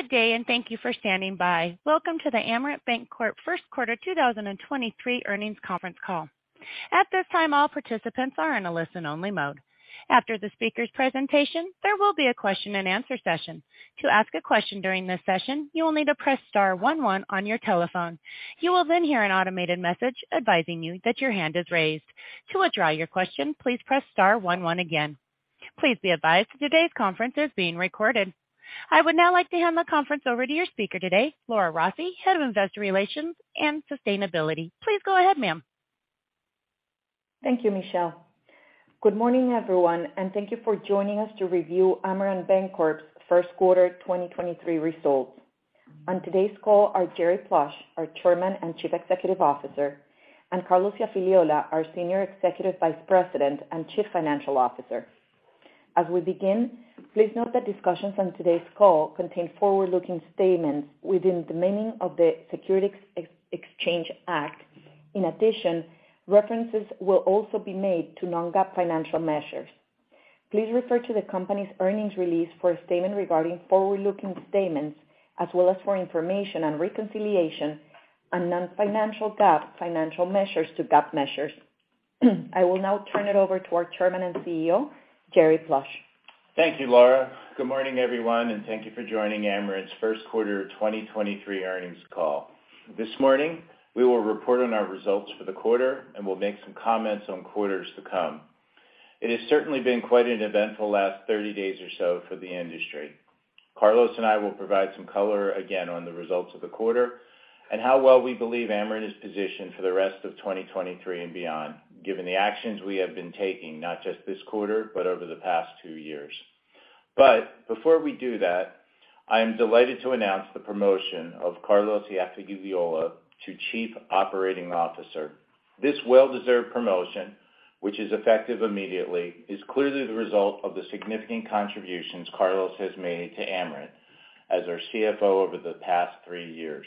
Good day, and thank you for standing by. Welcome to the Amerant Bancorp First Quarter 2023 Earnings Conference Call. At this time, all participants are in a listen-only mode. After the speaker's presentation, there will be a question-and-answer session. To ask a question during this session, you will need to press star one one on your telephone. You will then hear an automated message advising you that your hand is raised. To withdraw your question, please press star one one again. Please be advised that today's conference is being recorded. I would now like to hand the conference over to your speaker today, Laura Rossi, Head of Investor Relations and Sustainability. Please go ahead, ma'am. Thank you, Michelle. Good morning, everyone, and thank you for joining us to review Amerant Bancorp first quarter 2023 results. On today's call are Jerry Plush, our Chairman and Chief Executive Officer, and Carlos Iafigliola, our Senior Executive Vice President and Chief Financial Officer. As we begin, please note that discussions on today's call contain forward-looking statements within the meaning of the Securities Exchange Act. In addition, references will also be made to non-GAAP financial measures. Please refer to the company's earnings release for a statement regarding forward-looking statements as well as for information on reconciliation on non-financial GAAP financial measures to GAAP measures. I will now turn it over to our Chairman and CEO, Jerry Plush. Thank you, Laura. Good morning, everyone, and thank you for joining Amerant's first quarter 2023 earnings call. This morning, we will report on our results for the quarter and will make some comments on quarters to come. It has certainly been quite an eventful last 30 days or so for the industry. Carlos and I will provide some color again on the results of the quarter and how well we believe Amerant is positioned for the rest of 2023 and beyond, given the actions we have been taking, not just this quarter, but over the past two years. Before we do that, I am delighted to announce the promotion of Carlos Iafigliola to Chief Operating Officer. This well-deserved promotion, which is effective immediately, is clearly the result of the significant contributions Carlos has made to Amerant as our CFO over the past three years.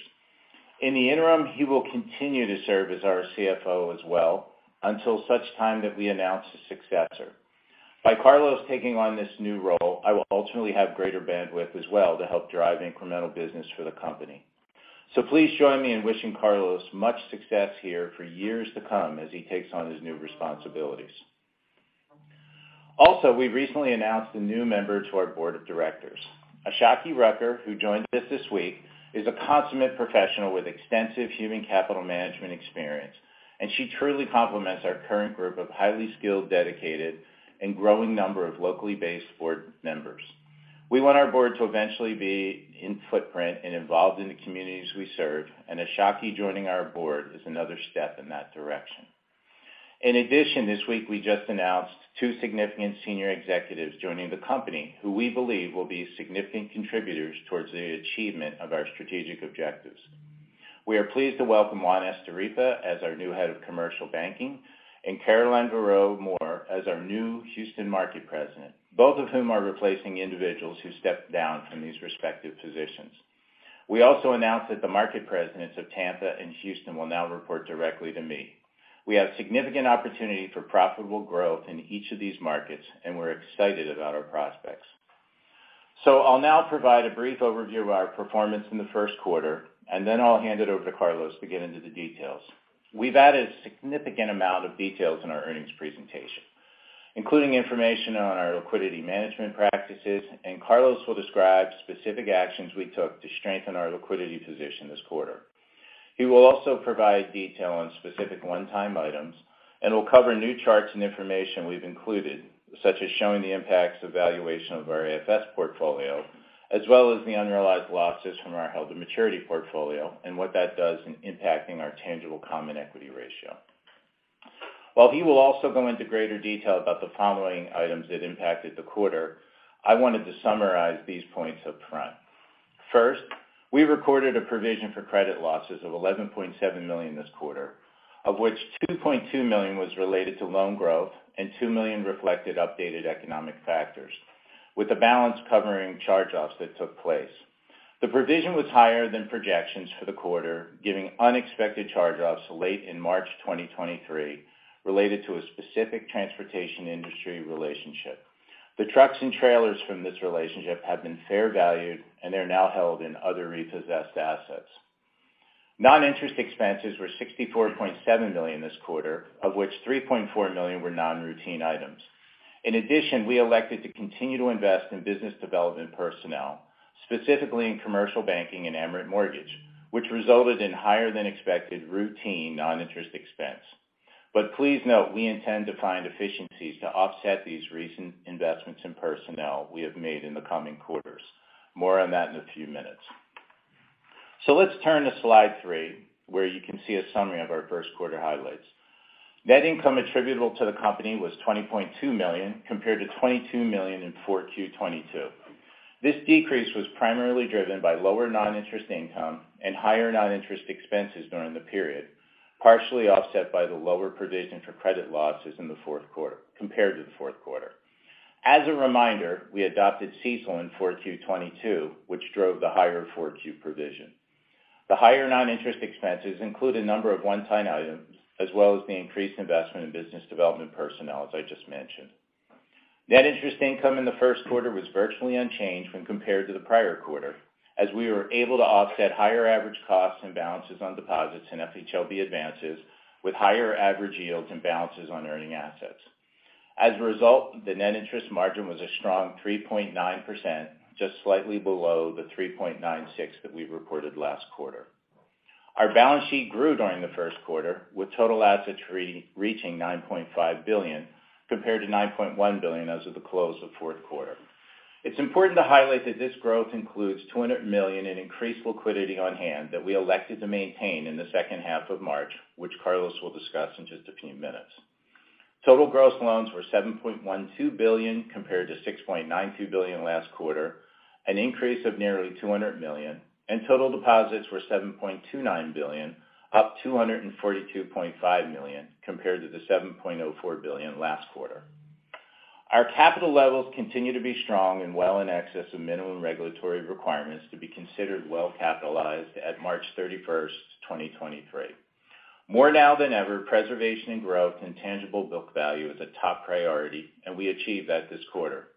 In the interim, he will continue to serve as our CFO as well until such time that we announce his successor. By Carlos taking on this new role, I will ultimately have greater bandwidth as well to help drive incremental business for the company. Please join me in wishing Carlos much success here for years to come as he takes on his new responsibilities. We recently announced a new member to our board of directors. Ashaki Rucker, who joined us this week, is a consummate professional with extensive human capital management experience, and she truly complements our current group of highly skilled, dedicated, and growing number of locally based board members. We want our board to eventually be in footprint and involved in the communities we serve, and Ashaki joining our board is another step in that direction. This week we just announced two significant senior executives joining the company who we believe will be significant contributors towards the achievement of our strategic objectives. We are pleased to welcome Juan Esterripa as our new Head of Commercial Banking and Caroline Vérot Moore as our new Houston Market President, both of whom are replacing individuals who stepped down from these respective positions. We also announced that the market presidents of Tampa and Houston will now report directly to me. We have significant opportunity for profitable growth in each of these markets. We're excited about our prospects. I'll now provide a brief overview of our performance in the first quarter. I'll hand it over to Carlos to get into the details. We've added a significant amount of details in our earnings presentation, including information on our liquidity management practices. Carlos will describe specific actions we took to strengthen our liquidity position this quarter. He will also provide detail on specific one-time items and will cover new charts and information we've included, such as showing the impacts of valuation of our AFS portfolio, as well as the unrealized losses from our held-to-maturity portfolio and what that does in impacting our tangible common equity ratio. While he will also go into greater detail about the following items that impacted the quarter, I wanted to summarize these points up front. First, we recorded a provision for credit losses of $11.7 million this quarter, of which $2.2 million was related to loan growth and $2 million reflected updated economic factors, with the balance covering charge-offs that took place. The provision was higher than projections for the quarter, giving unexpected charge-offs late in March 2023 related to a specific transportation industry relationship. The trucks and trailers from this relationship have been fair valued and they're now held in other repossessed assets. Non-interest expenses were $64.7 million this quarter, of which $3.4 million were non-routine items. In addition, we elected to continue to invest in business development personnel, specifically in Commercial Banking and Amerant Mortgage, which resulted in higher than expected routine non-interest expense. Please note we intend to find efficiencies to offset these recent investments in personnel we have made in the coming quarters. More on that in a few minutes. Let's turn to slide three, where you can see a summary of our first quarter highlights. Net income attributable to the company was $20.2 million, compared to $22 million in 4Q 2022. This decrease was primarily driven by lower non-interest income and higher non-interest expenses during the period, partially offset by the lower provision for credit losses compared to the fourth quarter. As a reminder, we adopted CECL in 4Q 2022, which drove the higher 4Q provision. The higher non-interest expenses include a number of one-time items as well as the increased investment in business development personnel, as I just mentioned. Net interest income in the first quarter was virtually unchanged when compared to the prior quarter, as we were able to offset higher average costs and balances on deposits in FHLB advances with higher average yields and balances on earning assets. As a result, the net interest margin was a strong 3.9%, just slightly below the 3.96% that we reported last quarter. Our balance sheet grew during the first quarter, with total assets re-reaching $9.5 billion, compared to $9.1 billion as of the close of fourth quarter. It's important to highlight that this growth includes $200 million in increased liquidity on hand that we elected to maintain in the second half of March, which Carlos will discuss in just a few minutes. Total gross loans were $7.12 billion compared to $6.92 billion last quarter, an increase of nearly $200 million. Total deposits were $7.29 billion, up $242.5 million compared to the $7.04 billion last quarter. Our capital levels continue to be strong and well in excess of minimum regulatory requirements to be considered well-capitalized at March 31st, 2023. More now than ever, preservation and growth in tangible book value is a top priority. We achieved that this quarter.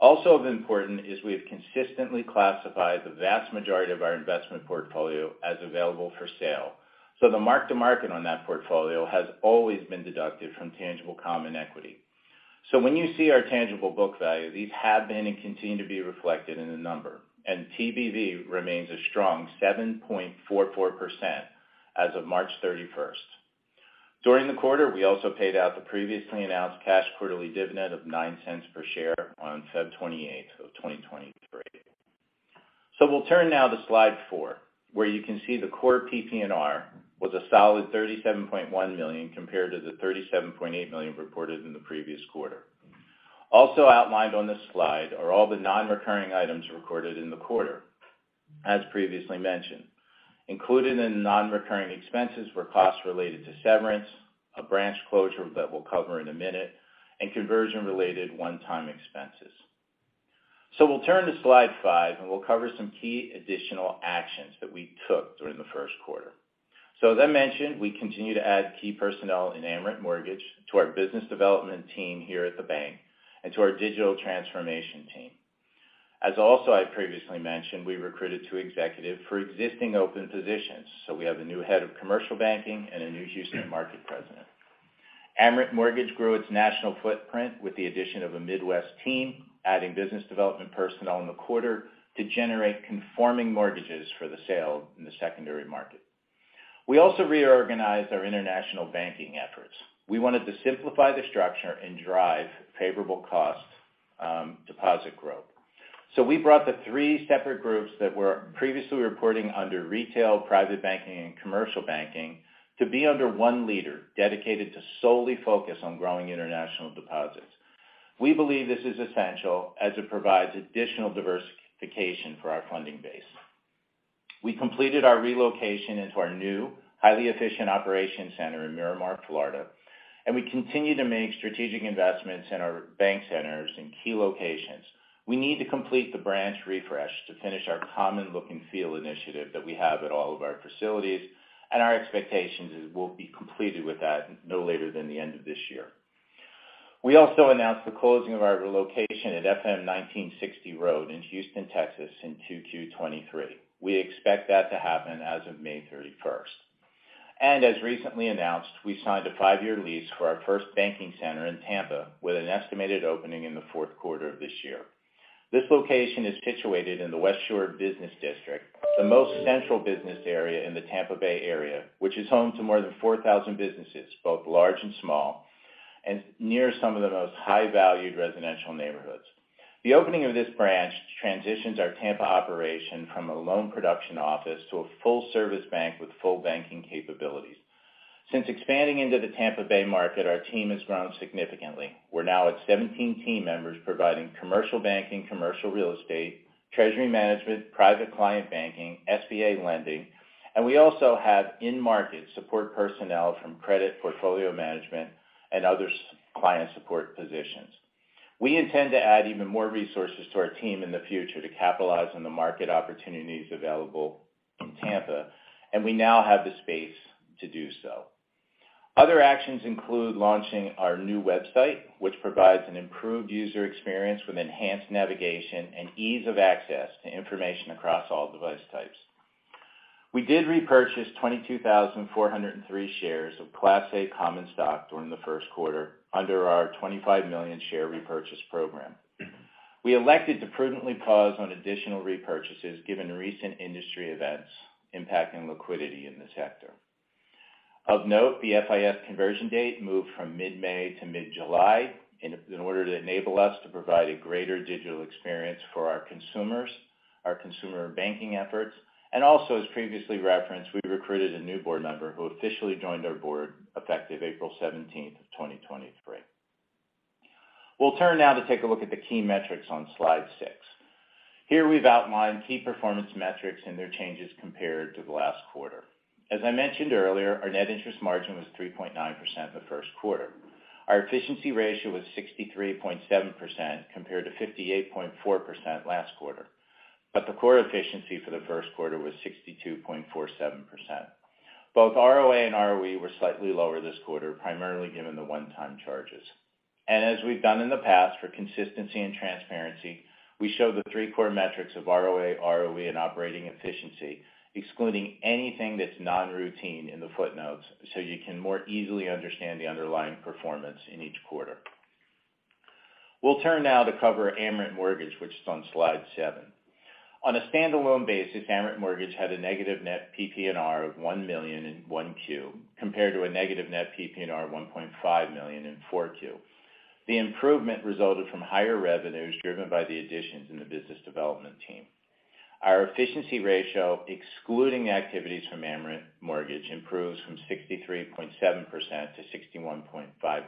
Also of important is we have consistently classified the vast majority of our investment portfolio as available for sale. The mark to market on that portfolio has always been deducted from tangible common equity. When you see our tangible book value, these have been and continue to be reflected in the number, and TBV remains a strong 7.44% as of March 31st. During the quarter, we also paid out the previously announced cash quarterly div net of $0.09 per share on February 28th of 2023. We'll turn now to slide four, where you can see the core PPNR was a solid $37.1 million compared to the $37.8 million reported in the previous quarter. Also outlined on this slide are all the non-recurring items recorded in the quarter. As previously mentioned, included in non-recurring expenses were costs related to severance, a branch closure that we'll cover in a minute, and conversion-related one-time expenses. We'll turn to slide five, and we'll cover some key additional actions that we took during the first quarter. As I mentioned, we continue to add key personnel in Amerant Mortgage to our Business Development team here at the bank and to our Digital Transformation team. As also I previously mentioned, we recruited two executives for existing open positions. We have a new Head of Commercial Banking and a new Houston Market President. Amerant Mortgage grew its national footprint with the addition of a Midwest team, adding business development personnel in the quarter to generate conforming mortgages for the sale in the secondary market. We also reorganized our international banking efforts. We wanted to simplify the structure and drive favorable cost, deposit growth. We brought the three separate groups that were previously reporting under Retail, Private Banking, and Commercial Banking to be under one leader dedicated to solely focus on growing international deposits. We believe this is essential as it provides additional diversification for our funding base. We completed our relocation into our new, highly efficient operation center in Miramar, Florida, and we continue to make strategic investments in our bank centers in key locations. We need to complete the branch refresh to finish our common look and feel initiative that we have at all of our facilities. Our expectations is we'll be completed with that no later than the end of this year. We also announced the closing of our relocation at FM 1960 Road in Houston, Texas in 2Q 2023. We expect that to happen as of May 31st. As recently announced, we signed a five-year lease for our first banking center in Tampa with an estimated opening in the fourth quarter of this year. This location is situated in the West Shore Business District, the most central business area in the Tampa Bay area, which is home to more than 4,000 businesses, both large and small, and near some of the most high-valued residential neighborhoods. The opening of this branch transitions our Tampa operation from a loan production office to a full-service bank with full banking capabilities. Since expanding into the Tampa Bay market, our team has grown significantly. We're now at 17 team members providing Commercial Banking, Commercial Real Estate, Treasury management, private client banking, SBA lending. We also have in-market support personnel from credit portfolio management and other client support positions. We intend to add even more resources to our team in the future to capitalize on the market opportunities available in Tampa. We now have the space to do so. Other actions include launching our new website, which provides an improved user experience with enhanced navigation and ease of access to information across all device types. We did repurchase 22,403 shares of Class A common stock during the first quarter under our $25 million share repurchase program. We elected to prudently pause on additional repurchases given recent industry events impacting liquidity in the sector. Of note, the FIS conversion date moved from mid-May to mid-July in order to enable us to provide a greater digital experience for our consumers, our consumer banking efforts. Also, as previously referenced, we recruited a new board member who officially joined our board effective April 17th of 2023. We'll turn now to take a look at the key metrics on slide six. Here, we've outlined key performance metrics and their changes compared to the last quarter. As I mentioned earlier, our net interest margin was 3.9% the first quarter. Our efficiency ratio was 63.7% compared to 58.4% last quarter. The core efficiency for the first quarter was 62.47%. Both ROA and ROE were slightly lower this quarter, primarily given the one-time charges. As we've done in the past for consistency and transparency, we show the three core metrics of ROA, ROE, and operating efficiency, excluding anything that's non-routine in the footnotes, so you can more easily understand the underlying performance in each quarter. We'll turn now to cover Amerant Mortgage, which is on slide seven. On a standalone basis, Amerant Mortgage had a negative net PPNR of $1 million in 1Q, compared to a negative net PPNR of $1.5 million in 4Q. The improvement resulted from higher revenues driven by the additions in the Business Development team. Our efficiency ratio, excluding the activities from Amerant Mortgage, improves from 63.7%-61.5%.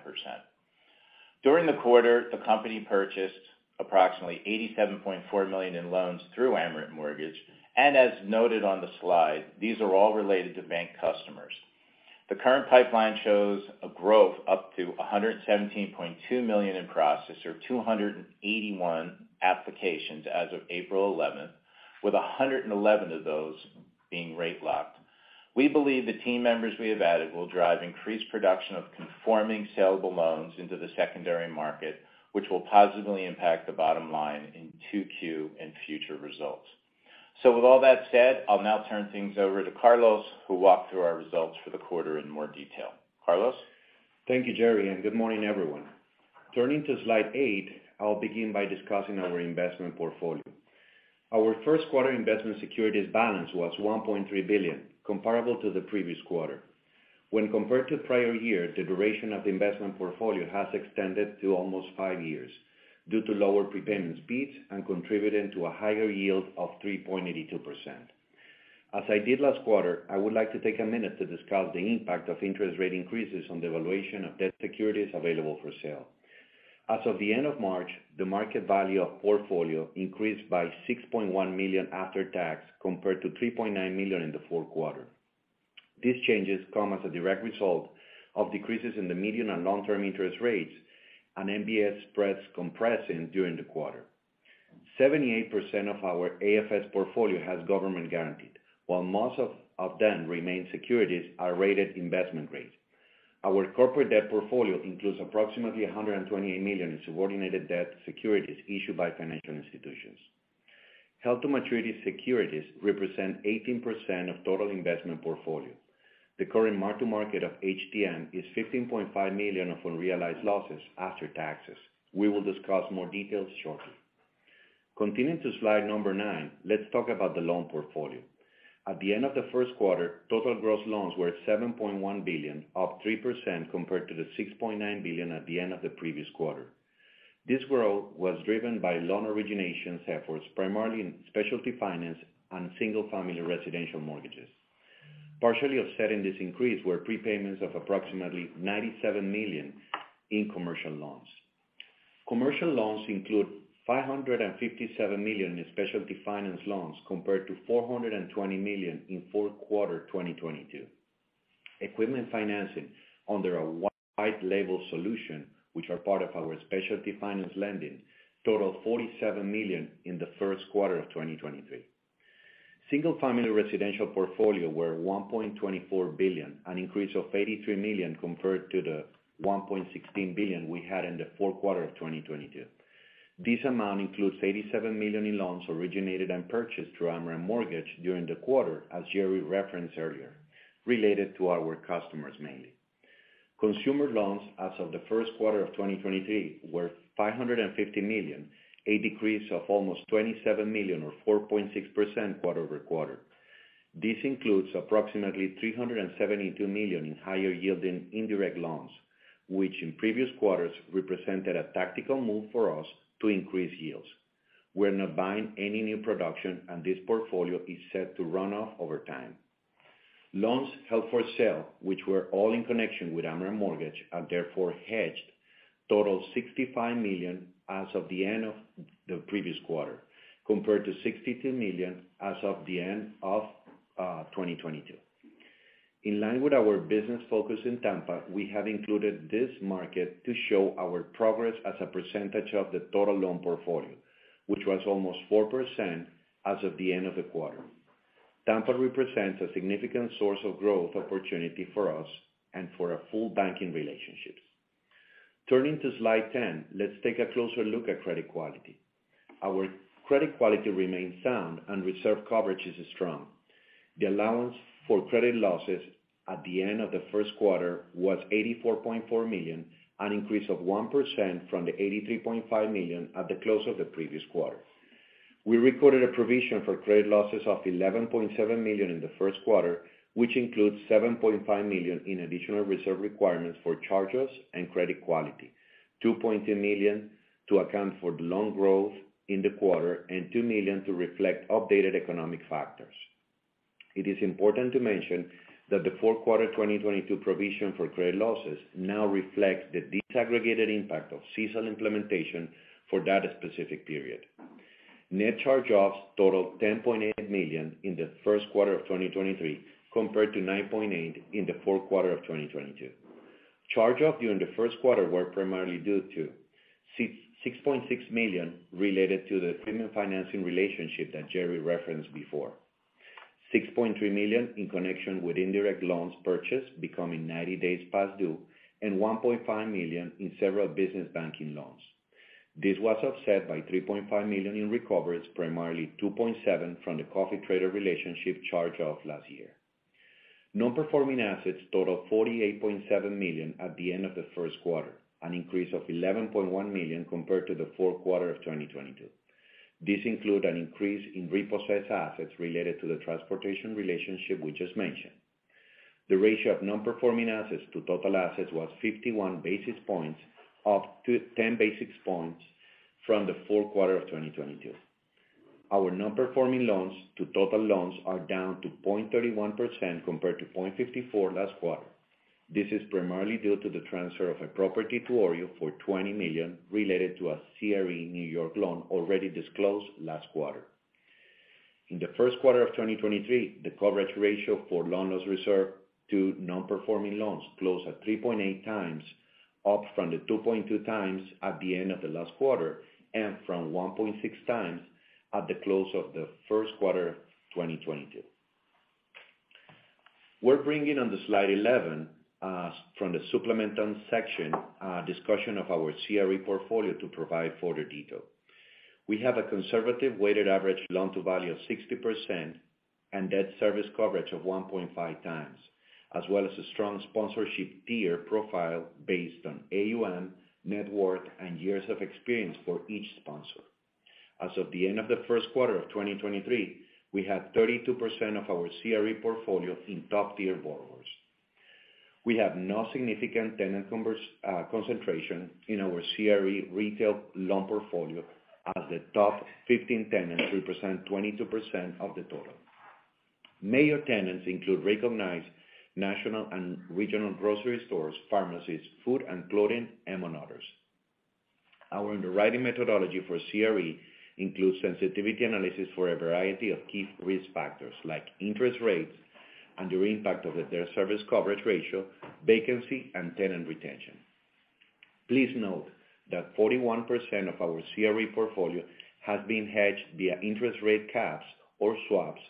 During the quarter, the company purchased approximately $87.4 million in loans through Amerant Mortgage, and as noted on the slide, these are all related to bank customers. The current pipeline shows a growth up to $117.2 million in process or 281 applications as of April 11th, with 111 of those being rate locked. We believe the team members we have added will drive increased production of conforming saleable loans into the secondary market, which will positively impact the bottom line in 2Q and future results. With all that said, I'll now turn things over to Carlos, who'll walk through our results for the quarter in more detail. Carlos? Thank you, Jerry. Good morning, everyone. Turning to slide eight, I'll begin by discussing our investment portfolio. Our first quarter investment securities balance was $1.3 billion, comparable to the previous quarter. When compared to the prior year, the duration of the investment portfolio has extended to almost five years due to lower prepayment speeds and contributing to a higher yield of 3.82%. As I did last quarter, I would like to take a minute to discuss the impact of interest rate increases on the valuation of debt securities available for sale. As of the end of March, the market value of portfolio increased by $6.1 million after tax compared to $3.9 million in the fourth quarter. These changes come as a direct result of decreases in the medium and long-term interest rates and MBS spreads compressing during the quarter. 78% of our AFS portfolio has government guaranteed. While most of them remain securities are rated investment grade. Our corporate debt portfolio includes approximately $128 million in subordinated debt securities issued by financial institutions. Held to maturity securities represent 18% of total investment portfolio. The current mark to market of HTM is $15.5 million of unrealized losses after taxes. We will discuss more details shortly. Continuing to slide number nine, let's talk about the loan portfolio. At the end of the first quarter, total gross loans were $7.1 billion, up 3% compared to the $6.9 billion at the end of the previous quarter. This growth was driven by loan originations efforts, primarily in specialty finance and single-family residential mortgages. Partially offsetting this increase were prepayments of approximately $97 million in commercial loans. Commercial loans include $557 million in specialty finance loans compared to $420 million in fourth quarter 2022. Equipment financing under a white label solution, which are part of our specialty finance lending, totaled $47 million in the first quarter of 2023. Single-family residential portfolio were $1.24 billion, an increase of $83 million compared to the $1.16 billion we had in the fourth quarter of 2022. This amount includes $87 million in loans originated and purchased through Amerant Mortgage during the quarter, as Jerry referenced earlier, related to our customers mainly. Consumer loans as of the first quarter of 2023 were $550 million, a decrease of almost $27 million or 4.6% quarter-over-quarter. This includes approximately $372 million in higher yielding indirect loans, which in previous quarters represented a tactical move for us to increase yields. We're not buying any new production. This portfolio is set to run off over time. Loans held for sale, which were all in connection with Amerant Mortgage, are therefore hedged, total $65 million as of the end of the previous quarter, compared to $62 million as of the end of 2022. In line with our business focus in Tampa, we have included this market to show our progress as a percentage of the total loan portfolio, which was almost 4% as of the end of the quarter. Tampa represents a significant source of growth opportunity for us and for our full banking relationships. Turning to slide 10, let's take a closer look at credit quality. Our credit quality remains sound and reserve coverage is strong. The allowance for credit losses at the end of the first quarter was $84.4 million, an increase of 1% from the $83.5 million at the close of the previous quarter. We recorded a provision for credit losses of $11.7 million in the first quarter, which includes $7.5 million in additional reserve requirements for charges and credit quality. $2.2 million to account for the loan growth in the quarter and $2 million to reflect updated economic factors. It is important to mention that the fourth quarter 2022 provision for credit losses now reflects the disaggregated impact of CECL implementation for that specific period. Net charge-offs totaled $10.8 million in the first quarter of 2023, compared to $9.8 million in the fourth quarter of 2022. Charge-off during the first quarter were primarily due to $6.6 million related to the equipment financing relationship that Jerry referenced before. $6.3 million in connection with indirect loans purchased becoming 90 days past due, and $1.5 million in several business banking loans. This was offset by $3.5 million in recoveries, primarily $2.7 million from the coffee trader relationship charge-off last year. Non-performing assets totaled $48.7 million at the end of the first quarter, an increase of $11.1 million compared to the fourth quarter of 2022. These include an increase in repossessed assets related to the transportation relationship we just mentioned. The ratio of non-performing assets to total assets was 51 basis points, up 10 basis points from the fourth quarter of 2022. Our non-performing loans to total loans are down to 0.31% compared to 0.54% last quarter. This is primarily due to the transfer of a property to OREO for $20 million related to a CRE New York loan already disclosed last quarter. In the first quarter of 2023, the coverage ratio for loan loss reserve to non-performing loans closed at 3.8x, up from the 2.2x at the end of the last quarter, and from 1.6x at the close of the first quarter of 2022. We're bringing on the slide 11, from the supplemental section, discussion of our CRE portfolio to provide further detail. We have a conservative weighted average loan-to-value of 60% and debt service coverage of 1.5x, as well as a strong sponsorship tier profile based on AUM, net worth, and years of experience for each sponsor. As of the end of the first quarter of 2023, we had 32% of our CRE portfolio in top-tier borrowers. We have no significant tenant concentration in our CRE retail loan portfolio, as the top 15 tenants represent 22% of the total. Major tenants include recognized national and regional grocery stores, pharmacies, food and clothing, among others. Our underwriting methodology for CRE includes sensitivity analysis for a variety of key risk factors like interest rates and their impact of the debt service coverage ratio, vacancy, and tenant retention. Please note that 41% of our CRE portfolio has been hedged via interest rate caps or swaps,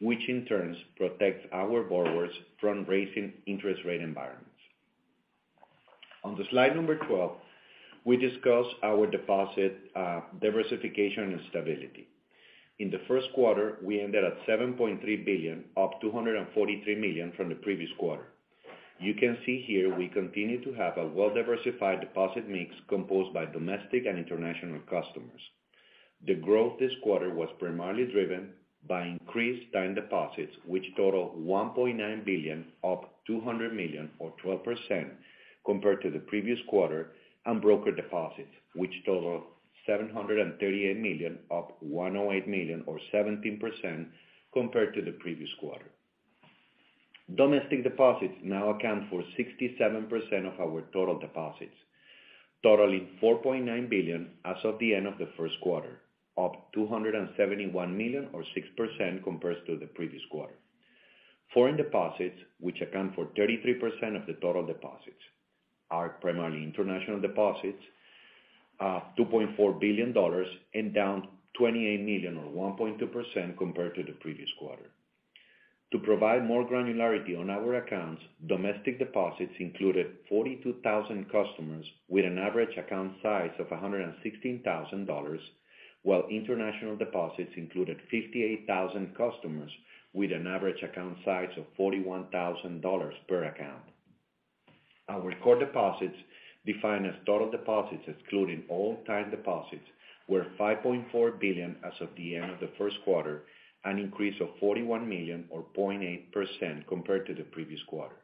which in turn protects our borrowers from raising interest rate environments. On the slide number 12, we discuss our deposit diversification and stability. In the first quarter, we ended at $7.3 billion, up $243 million from the previous quarter. You can see here we continue to have a well-diversified deposit mix composed by domestic and international customers. The growth this quarter was primarily driven by increased time deposits, which total $1.9 billion, up $200 million or 12% compared to the previous quarter, and broker deposits, which total $738 million, up $108 million or 17% compared to the previous quarter. Domestic deposits now account for 67% of our total deposits, totaling $4.9 billion as of the end of the first quarter, up $271 million or 6% compared to the previous quarter. Foreign deposits, which account for 33% of the total deposits, are primarily international deposits, $2.4 billion and down $28 million or 1.2% compared to the previous quarter. To provide more granularity on our accounts, domestic deposits included 42,000 customers with an average account size of $116,000, while international deposits included 58,000 customers with an average account size of $41,000 per account. Our core deposits, defined as total deposits excluding all time deposits, were $5.4 billion as of the end of the first quarter, an increase of $41 million or 0.8% compared to the previous quarter.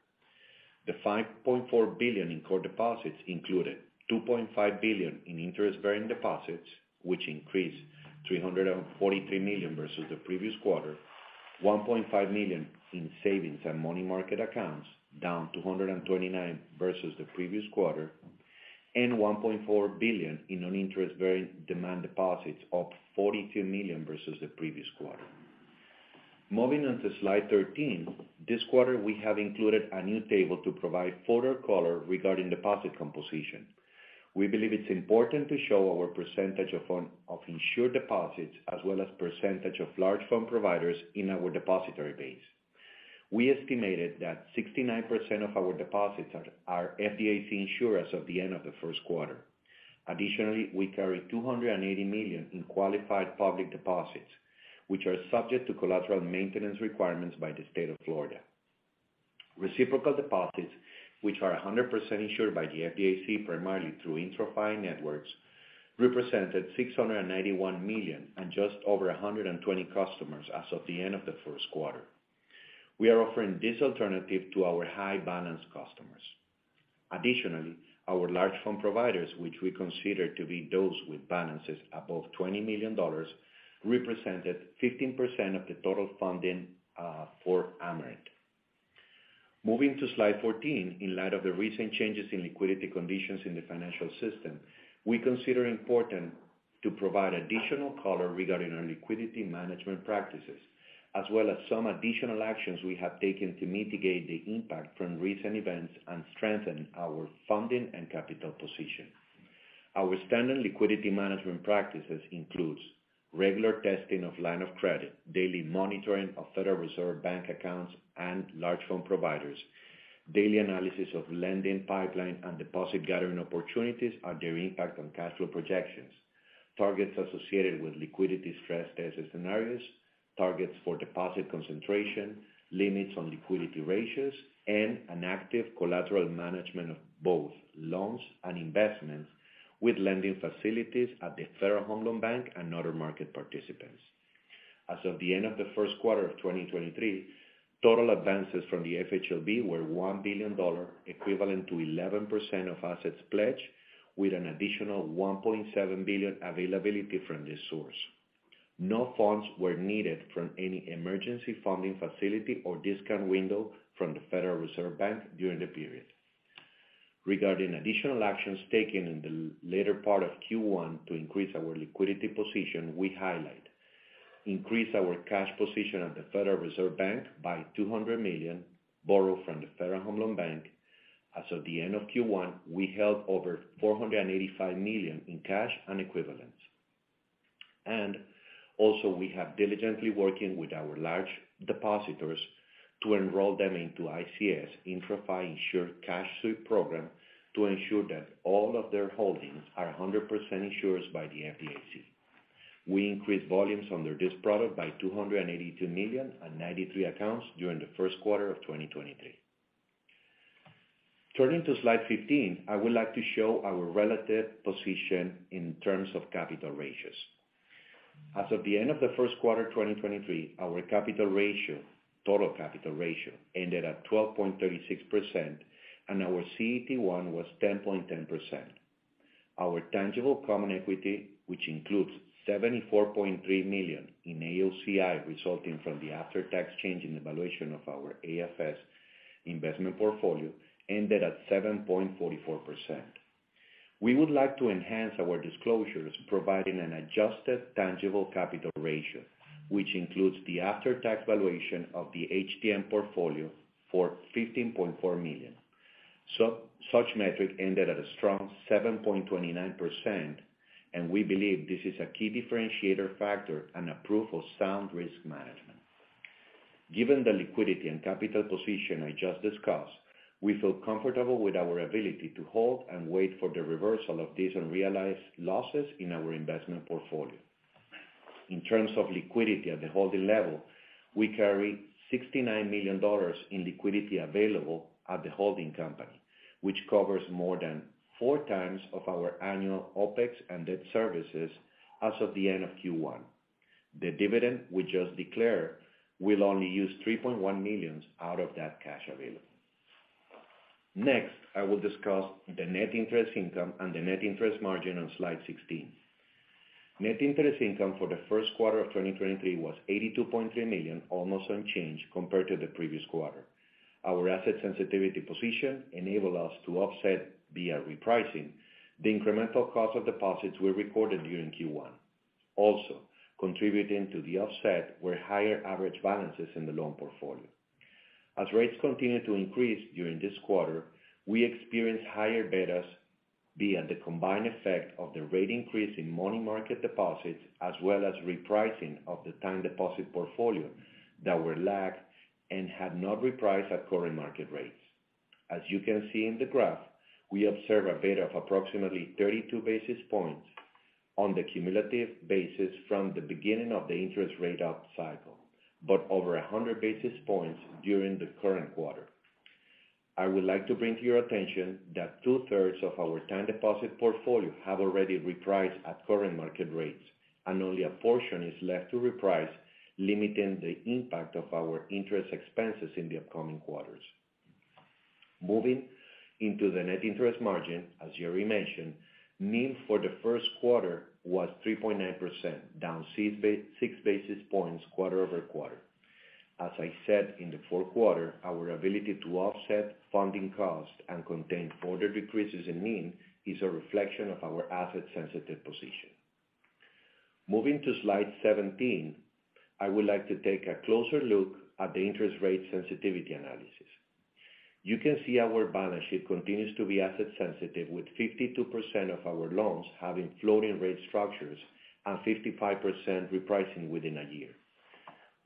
The $5.4 billion in core deposits included $2.5 billion in interest-bearing deposits, which increased $343 million versus the previous quarter, $1.5 million in savings and money market accounts, down 229 versus the previous quarter, and $1.4 billion in non-interest bearing demand deposits, up $42 million versus the previous quarter. Moving on to slide 13, this quarter we have included a new table to provide further color regarding deposit composition. We believe it's important to show our percentage of insured deposits as well as percentage of large fund providers in our depository base. We estimated that 69% of our deposits are FDIC insured as of the end of the first quarter. Additionally, we carry $280 million in qualified public deposits, which are subject to collateral maintenance requirements by the state of Florida. Reciprocal deposits, which are 100% insured by the FDIC primarily through IntraFi Networks, represented $691 million and just over 120 customers as of the end of the first quarter. We are offering this alternative to our high balance customers. Additionally, our large fund providers, which we consider to be those with balances above $20 million, represented 15% of the total funding for Amerant. Moving to slide 14, in light of the recent changes in liquidity conditions in the financial system, we consider important to provide additional color regarding our liquidity management practices, as well as some additional actions we have taken to mitigate the impact from recent events and strengthen our funding and capital position. Our standard liquidity management practices includes: regular testing of line of credit, daily monitoring of Federal Reserve Bank accounts and large phone providers, daily analysis of lending pipeline and deposit gathering opportunities and their impact on cash flow projections, targets associated with liquidity stress test scenarios, targets for deposit concentration, limits on liquidity ratios, and an active collateral management of both loans and investments with lending facilities at the Federal Home Loan Bank and other market participants. As of the end of the first quarter of 2023, total advances from the FHLB were $1 billion, equivalent to 11% of assets pledged, with an additional $1.7 billion availability from this source. No funds were needed from any emergency funding facility or discount window from the Federal Reserve Bank during the period. Regarding additional actions taken in the later part of Q1 to increase our liquidity position, we highlight: increase our cash position at the Federal Reserve Bank by $200 million borrowed from the Federal Home Loan Bank. As of the end of Q1, we held over $485 million in cash and equivalents. Also we have diligently working with our large depositors to enroll them into ICS, IntraFi Insured Cash Sweep program, to ensure that all of their holdings are 100% insured by the FDIC. We increased volumes under this product by $282 million and 93 accounts during the first quarter of 2023. Turning to slide 15, I would like to show our relative position in terms of capital ratios. As of the end of the first quarter, 2023, our capital ratio, total capital ratio ended at 12.36% and our CET1 was 10.10%. Our tangible common equity, which includes $74.3 million in AOCI, resulting from the after-tax change in the valuation of our AFS investment portfolio, ended at 7.44%. We would like to enhance our disclosures, providing an adjusted tangible capital ratio, which includes the after-tax valuation of the HTM portfolio for $15.4 million. Such metric ended at a strong 7.29%. We believe this is a key differentiator factor and approval sound risk management. Given the liquidity and capital position I just discussed, we feel comfortable with our ability to hold and wait for the reversal of these unrealized losses in our investment portfolio. In terms of liquidity at the holding level, we carry $69 million in liquidity available at the holding company, which covers more than 4x of our annual OpEx and debt services as of the end of Q1. The dividend we just declared will only use $3.1 million out of that cash available. I will discuss the net interest income and the net interest margin on slide 16. Net interest income for the first quarter of 2023 was $82.3 million, almost unchanged compared to the previous quarter. Our asset sensitivity position enable us to offset via repricing the incremental cost of deposits we recorded during Q1. Contributing to the offset were higher average balances in the loan portfolio. As rates continued to increase during this quarter, we experienced higher betas via the combined effect of the rate increase in money market deposits, as well as repricing of the time deposit portfolio that were lagged and had not repriced at current market rates. As you can see in the graph, we observe a beta of approximately 32 basis points on the cumulative basis from the beginning of the interest rate up cycle, but over 100 basis points during the current quarter. I would like to bring to your attention that 2/3 of our time deposit portfolio have already repriced at current market rates, and only a portion is left to reprice, limiting the impact of our interest expenses in the upcoming quarters. Moving into the net interest margin, as Jerry mentioned, NIM for the first quarter was 3.9%, down six basis points quarter-over-quarter. I said in the fourth quarter, our ability to offset funding costs and contain further decreases in NIM is a reflection of our asset-sensitive position. Moving to slide 17, I would like to take a closer look at the interest rate sensitivity analysis. You can see our balance sheet continues to be asset sensitive, with 52% of our loans having floating rate structures and 55% repricing within a year.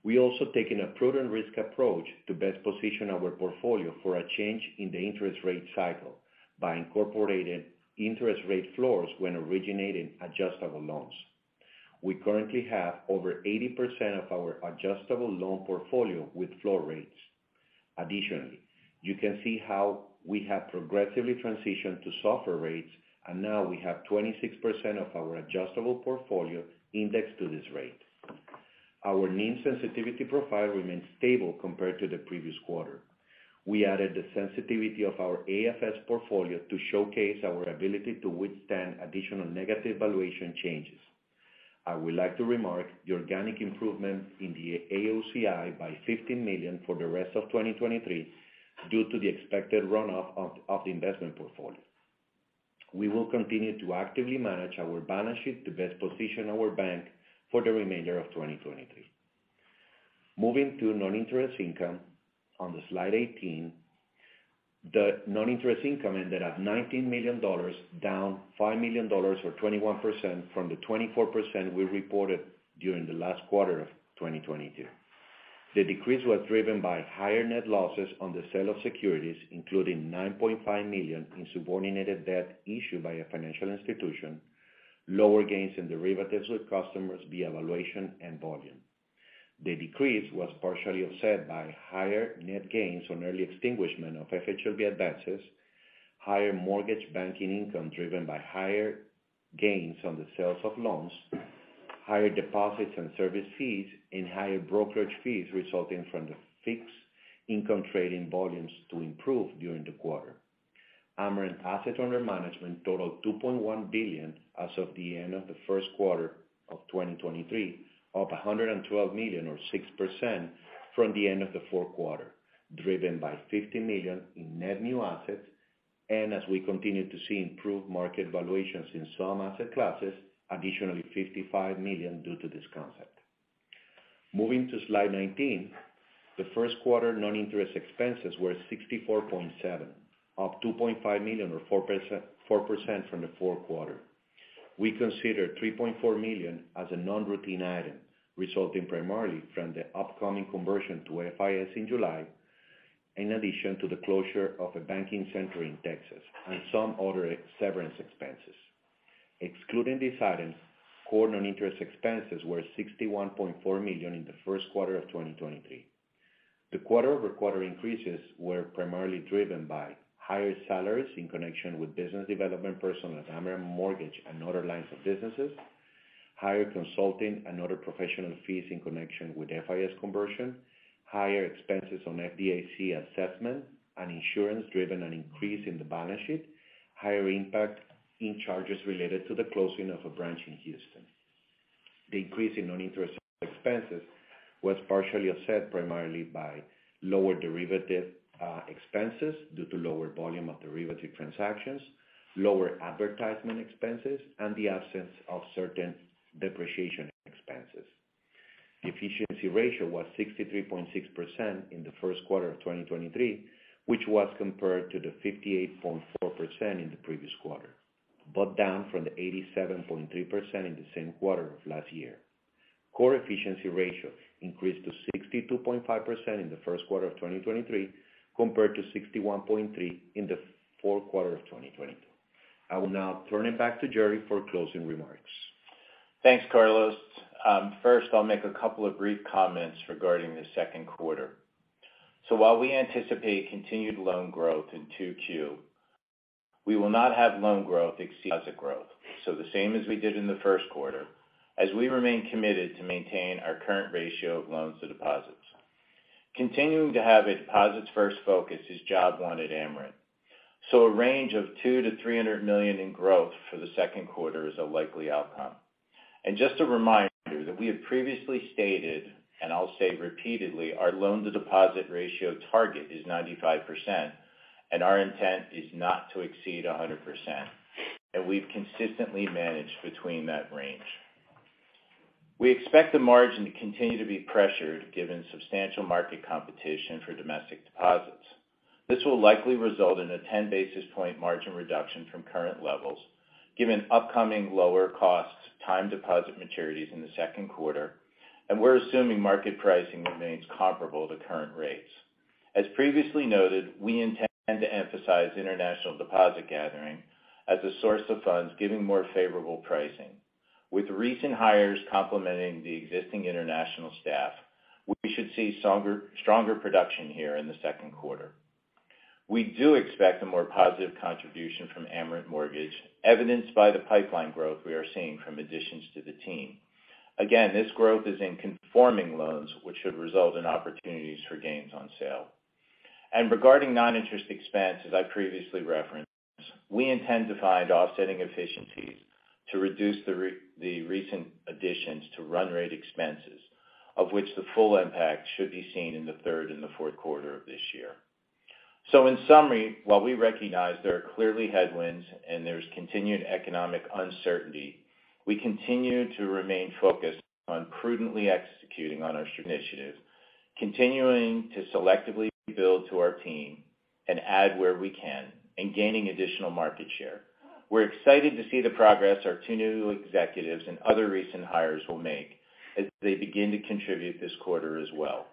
We also taken a prudent risk approach to best position our portfolio for a change in the interest rate cycle by incorporating interest rate floors when originating adjustable loans. We currently have over 80% of our adjustable loan portfolio with floor rates. You can see how we have progressively transitioned to SOFR, and now we have 26% of our adjustable portfolio indexed to this rate. Our NIM sensitivity profile remains stable compared to the previous quarter. We added the sensitivity of our AFS portfolio to showcase our ability to withstand additional negative valuation changes. I would like to remark the organic improvement in the AOCI by $15 million for the rest of 2023 due to the expected runoff of the investment portfolio. We will continue to actively manage our balance sheet to best position our bank for the remainder of 2023. Moving to non-interest income on slide 18. The non-interest income ended at $19 million, down $5 million or 21% from the 24% we reported during the last quarter of 2022. The decrease was driven by higher net losses on the sale of securities, including $9.5 million in subordinated debt issued by a financial institution, lower gains and derivatives with customers via valuation and volume. The decrease was partially offset by higher net gains on early extinguishment of FHLB advances, higher mortgage banking income driven by higher gains on the sales of loans, higher deposits and service fees, and higher brokerage fees resulting from the fixed income trading volumes to improve during the quarter. Amerant asset under management totaled $2.1 billion as of the end of the first quarter of 2023, up $112 million or 6% from the end of the fourth quarter, driven by $50 million in net new assets and as we continue to see improved market valuations in some asset classes, additionally $55 million due to this concept. Moving to slide 19. The first quarter non-interest expenses were $64.7, up $2.5 million or 4% from the fourth quarter. We consider $3.4 million as a non-routine item, resulting primarily from the upcoming conversion to FIS in July, in addition to the closure of a banking center in Texas and some other severance expenses. Excluding these items, core non-interest expenses were $61.4 million in the first quarter of 2023. The quarter-over-quarter increases were primarily driven by higher salaries in connection with business development personnel at Amerant Mortgage and other lines of businesses, higher consulting and other professional fees in connection with FIS conversion, higher expenses on FDIC assessment and insurance driven an increase in the balance sheet, higher impact in charges related to the closing of a branch in Houston. The increase in non-interest expenses was partially offset primarily by lower derivative expenses due to lower volume of derivative transactions, lower advertisement expenses, and the absence of certain depreciation expenses. The efficiency ratio was 63.6% in the first quarter of 2023, which was compared to the 58.4% in the previous quarter, but down from the 87.3% in the same quarter of last year. Core efficiency ratio increased to 62.5% in the first quarter of 2023 compared to 61.3% in the fourth quarter of 2022. I will now turn it back to Jerry for closing remarks. Thanks, Carlos. First, I'll make a couple of brief comments regarding the second quarter. While we anticipate continued loan growth in 2Q, we will not have loan growth exceed asset growth. The same as we did in the first quarter, as we remain committed to maintain our current ratio of loans to deposits. Continuing to have a deposits first focus is job one at Amerant. A range of $200 million-$300 million in growth for the second quarter is a likely outcome. Just a reminder that we have previously stated, and I'll say repeatedly, our loan to deposit ratio target is 95%, and our intent is not to exceed 100%. We've consistently managed between that range. We expect the margin to continue to be pressured given substantial market competition for domestic deposits. This will likely result in a 10 basis point margin reduction from current levels, given upcoming lower costs, time deposit maturities in the second quarter. We're assuming market pricing remains comparable to current rates. As previously noted, we intend to emphasize international deposit gathering as a source of funds giving more favorable pricing. With recent hires complementing the existing international staff, we should see stronger production here in the second quarter. We do expect a more positive contribution from Amerant Mortgage, evidenced by the pipeline growth we are seeing from additions to the team. Again, this growth is in conforming loans, which should result in opportunities for gains on sale. Regarding non-interest expense, as I previously referenced, we intend to find offsetting efficiencies to reduce the recent additions to run rate expenses, of which the full impact should be seen in the third and the fourth quarter of this year. In summary, while we recognize there are clearly headwinds and there's continued economic uncertainty, we continue to remain focused on prudently executing on our strategic initiative, continuing to selectively build to our team and add where we can in gaining additional market share. We're excited to see the progress our two new executives and other recent hires will make as they begin to contribute this quarter as well.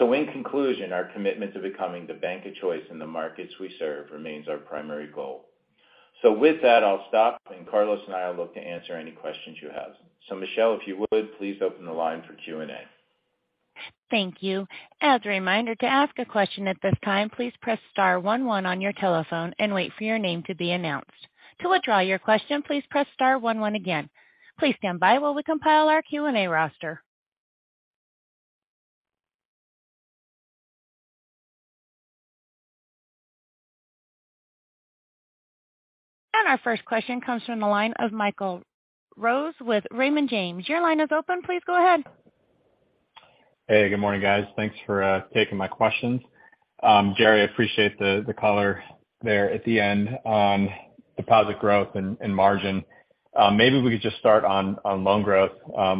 In conclusion, our commitment to becoming the bank of choice in the markets we serve remains our primary goal. With that, I'll stop, and Carlos and I will look to answer any questions you have. Michelle, if you would, please open the line for Q&A. Thank you. As a reminder to ask a question at this time, please press star one one on your telephone and wait for your name to be announced. To withdraw your question, please press star one one again. Please stand by while we compile our Q&A roster. Our first question comes from the line of Michael Rose with Raymond James. Your line is open. Please go ahead. Good morning, guys. Thanks for taking my questions. Jerry, I appreciate the color there at the end on deposit growth and margin. Maybe we could just start on loan growth,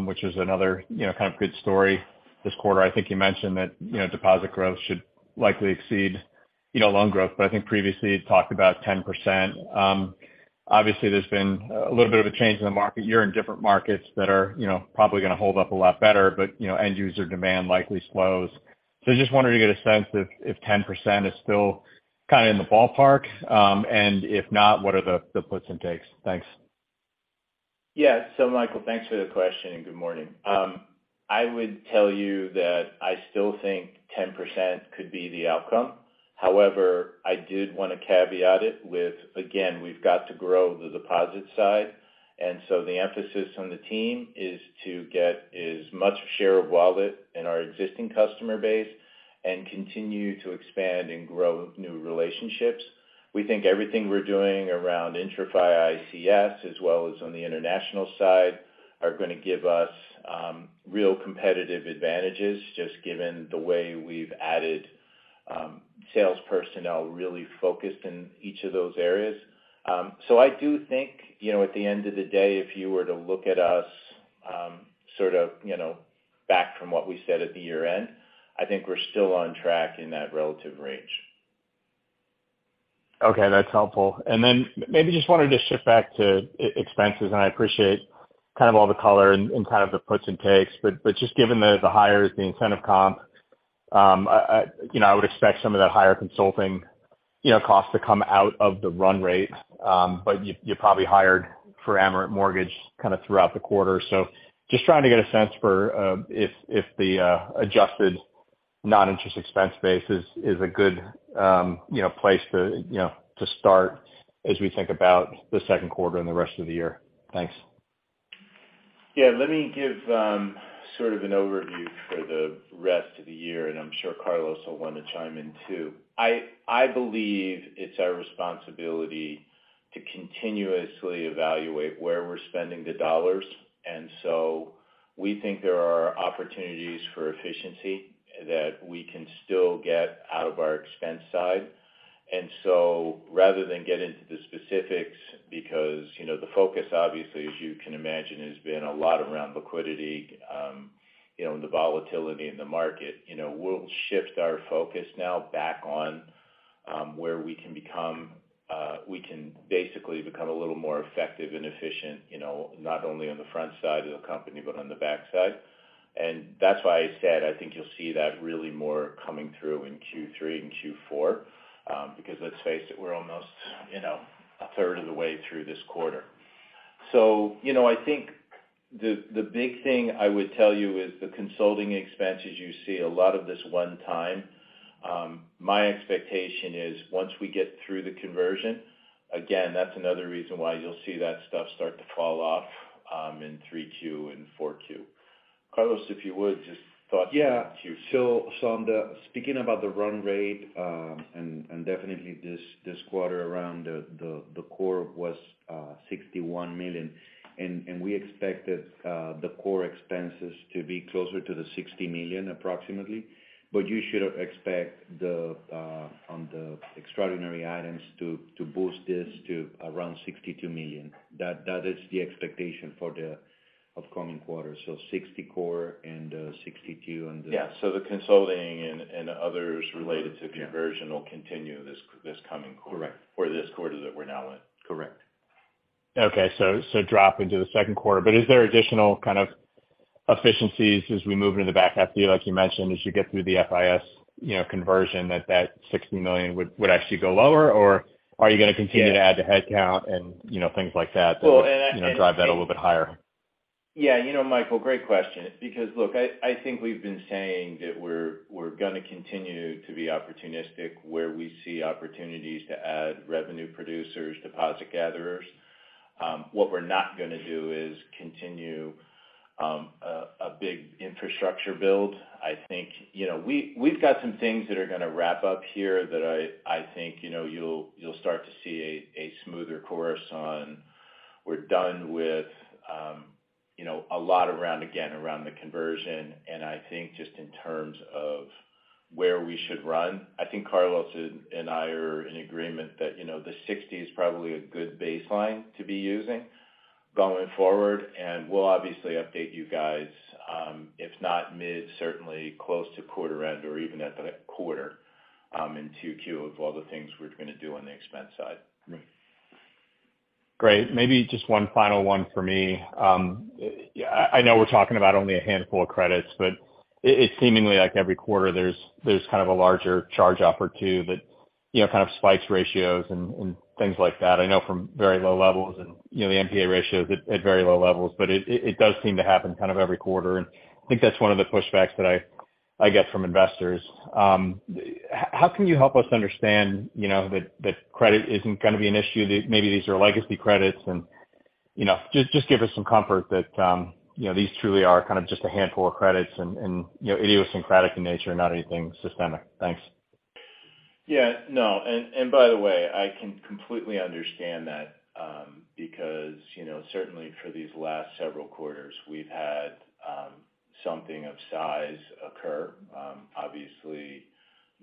which is another, you know, kind of good story this quarter. I think you mentioned that, you know, deposit growth should likely exceed, you know, loan growth. I think previously you talked about 10%. Obviously, there's been a little bit of a change in the market. You're in different markets that are, you know, probably gonna hold up a lot better. You know, end user demand likely slows. Just wondering to get a sense if 10% is still kind of in the ballpark. If not, what are the puts and takes. Thanks. Yeah. Michael, thanks for the question, and good morning. I would tell you that I still think 10% could be the outcome. However, I did wanna caveat it with, again, we've got to grow the deposit side. The emphasis on the team is to get as much share of wallet in our existing customer base and continue to expand and grow new relationships. We think everything we're doing around IntraFi ICS as well as on the international side are gonna give us real competitive advantages just given the way we've added sales personnel really focused in each of those areas. I do think, you know, at the end of the day, if you were to look at us, sort of, you know, back from what we said at the year-end, I think we're still on track in that relative range. Okay, that's helpful. Maybe just wanted to shift back to e-expenses, and I appreciate kind of all the color and kind of the puts and takes, but just given the hires, the incentive comp, you know, I would expect some of that higher consulting, you know, costs to come out of the run rate. You probably hired for Amerant Mortgage kind of throughout the quarter. Just trying to get a sense for, if the adjusted non-interest expense base is a good, you know, place to, you know, to start as we think about the second quarter and the rest of the year. Thanks. Yeah. Let me give sort of an overview for the rest of the year, and I'm sure Carlos will want to chime in too. I believe it's our responsibility to continuously evaluate where we're spending the dollars. We think there are opportunities for efficiency that we can still get out of our expense side. Rather than get into the specifics because, you know, the focus obviously, as you can imagine, has been a lot around liquidity, you know, and the volatility in the market. You know, we'll shift our focus now back on where we can become, we can basically become a little more effective and efficient, you know, not only on the front side of the company, but on the backside. That's why I said I think you'll see that really more coming through in Q3 and Q4, because let's face it, we're almost, you know, a third of the way through this quarter. I think the big thing I would tell you is the consulting expenses you see a lot of this one time. My expectation is once we get through the conversion, again, that's another reason why you'll see that stuff start to fall off in 3Q and 4Q. Carlos, if you would, just thoughts... Yeah. On Q2. Speaking about the run rate, definitely this quarter around the core was $61 million. We expected the core expenses to be closer to the $60 million approximately. You should expect the on the extraordinary items to boost this to around $62 million. That is the expectation for the upcoming quarter. $60 core and $62. Yeah. The consulting and others related to conversion will continue this coming quarter. Correct. This quarter that we're now in. Correct. Drop into the second quarter. Is there additional kind of efficiencies as we move into the back half of the year, like you mentioned, as you get through the FIS, you know, conversion that $60 million would actually go lower? Are you gonna continue to add the headcount and, you know, things like that to... Well. You know, drive that a little bit higher? You know, Michael, great question. Look, I think we're gonna continue to be opportunistic where we see opportunities to add revenue producers, deposit gatherers. What we're not gonna do is continue a big infrastructure build. I think, you know, we've got some things that are gonna wrap up here that I think, you know, you'll start to see a smoother course on. We're done with, you know, a lot around, again, around the conversion. I think just in terms of where we should run, I think Carlos and I are in agreement that, you know, the 60 is probably a good baseline to be using going forward. We'll obviously update you guys, if not mid, certainly close to quarter end or even at the quarter, in 2Q of all the things we're gonna do on the expense side. Right. Great. Maybe just one final one for me. I know we're talking about only a handful of credits, but it seemingly like every quarter there's kind of a larger charge-off or two that, you know, kind of spikes ratios and things like that. I know from very low levels and, you know, the NPA ratio is at very low levels, but it does seem to happen kind of every quarter. I think that's one of the pushbacks that I get from investors. How can you help us understand, you know, that credit isn't gonna be an issue? That maybe these are legacy credits. You know, just give us some comfort that, you know, these truly are kind of just a handful of credits and, you know, idiosyncratic in nature and not anything systemic. Thanks. Yeah. No. By the way, I can completely understand that, because, you know, certainly for these last several quarters, we've had something of size occur. Obviously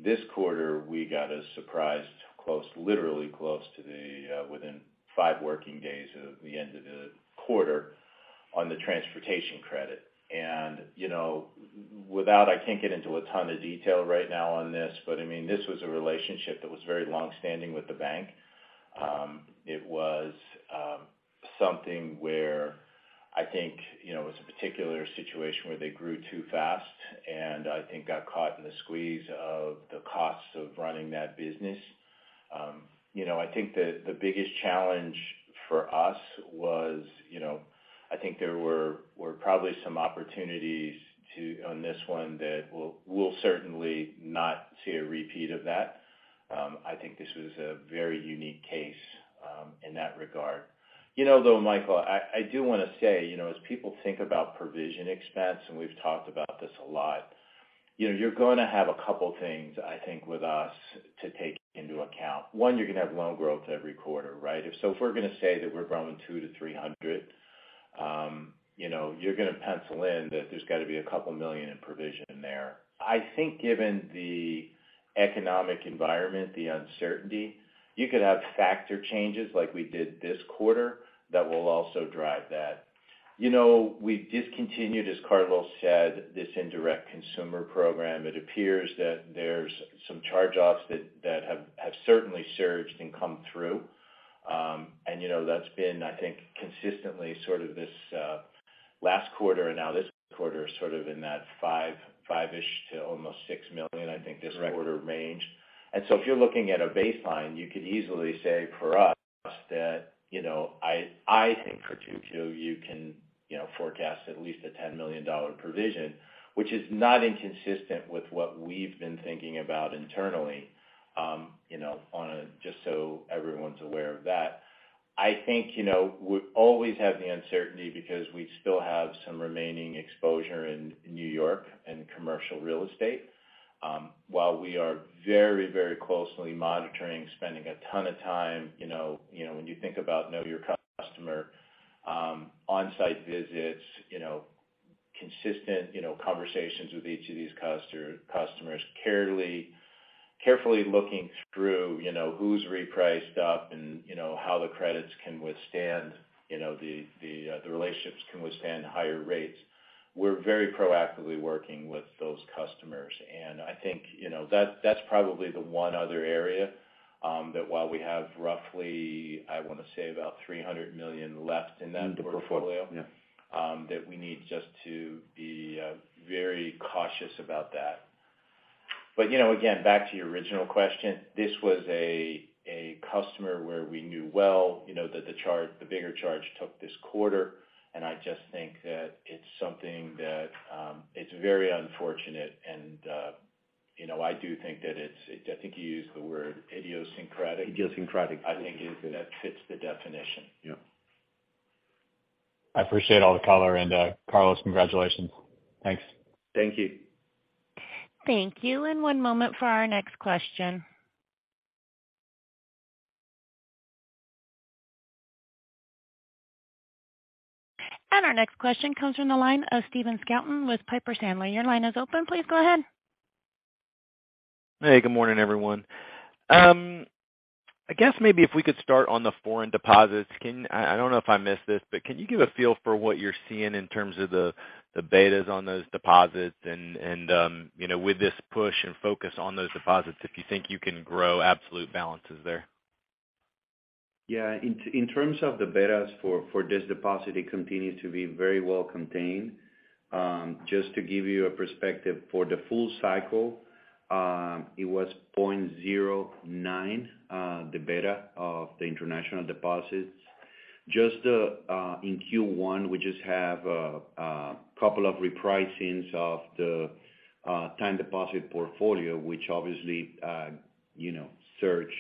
this quarter we got a surprise close, literally close to the within five working days of the end of the quarter on the transportation credit. You know, I can't get into a ton of detail right now on this, but I mean, this was a relationship that was very long-standing with the bank. It was something where I think, you know, it was a particular situation where they grew too fast and I think got caught in the squeeze of the costs of running that business. You know, I think the biggest challenge for us was, you know, I think there were probably some opportunities on this one that we'll certainly not see a repeat of that. I think this was a very unique case in that regard. You know, though, Michael, I do wanna say, you know, as people think about provision expense, and we've talked about this a lot, you know, you're gonna have a couple things, I think, with us to take into account. One, you're gonna have loan growth every quarter, right? If so, if we're gonna say that we're growing $200 million-$300 million, you know, you're gonna pencil in that there's gotta be a couple of million in provision there. I think given the economic environment, the uncertainty, you could have factor changes like we did this quarter that will also drive that. You know, we've discontinued, as Carlos said, this indirect consumer program. It appears that there's some charge-offs that have certainly surged and come through. You know, that's been, I think, consistently sort of this last quarter and now this quarter sort of in that five, five-ish to almost $6 million, I think, this quarter range. If you're looking at a baseline, you could easily say for us that, you know, I think for 2Q, you can, you know, forecast at least a $10 million provision, which is not inconsistent with what we've been thinking about internally, you know, on a just so everyone's aware of that. I think, you know, we always have the uncertainty because we still have some remaining exposure in New York and commercial real estate. While we are very closely monitoring, spending a ton of time, you know. When you think about know your customer, on-site visits, you know, consistent, you know, conversations with each of these customers, carefully looking through, you know, who's repriced up and, you know, how the credits can withstand, you know, the relationships can withstand higher rates. We're very proactively working with those customers. I think, you know, that's probably the one other area that while we have roughly, I wanna say about $300 million left in that portfolio... In the portfolio. Yeah. ...that we need just to be very cautious about that. You know, again, back to your original question, this was a customer where we knew well, you know, that the charge, the bigger charge took this quarter. I just think that it's something that it's very unfortunate and, you know, I do think that I think you used the word idiosyncratic. Idiosyncratic. I think that fits the definition. Yeah. I appreciate all the color and, Carlos, congratulations. Thanks. Thank you. Thank you. One moment for our next question. Our next question comes from the line of Stephen Scouten with Piper Sandler. Your line is open. Please go ahead. Hey, good morning, everyone. I guess maybe if we could start on the foreign deposits. I don't know if I missed this, but can you give a feel for what you're seeing in terms of the betas on those deposits? You know, with this push and focus on those deposits, if you think you can grow absolute balances there. Yeah. In terms of the betas for this deposit, it continues to be very well contained. Just to give you a perspective, for the full cycle, it was 0.09, the beta of the international deposits. Just in Q1, we just have couple of repricings of the time deposit portfolio, which obviously, you know, surge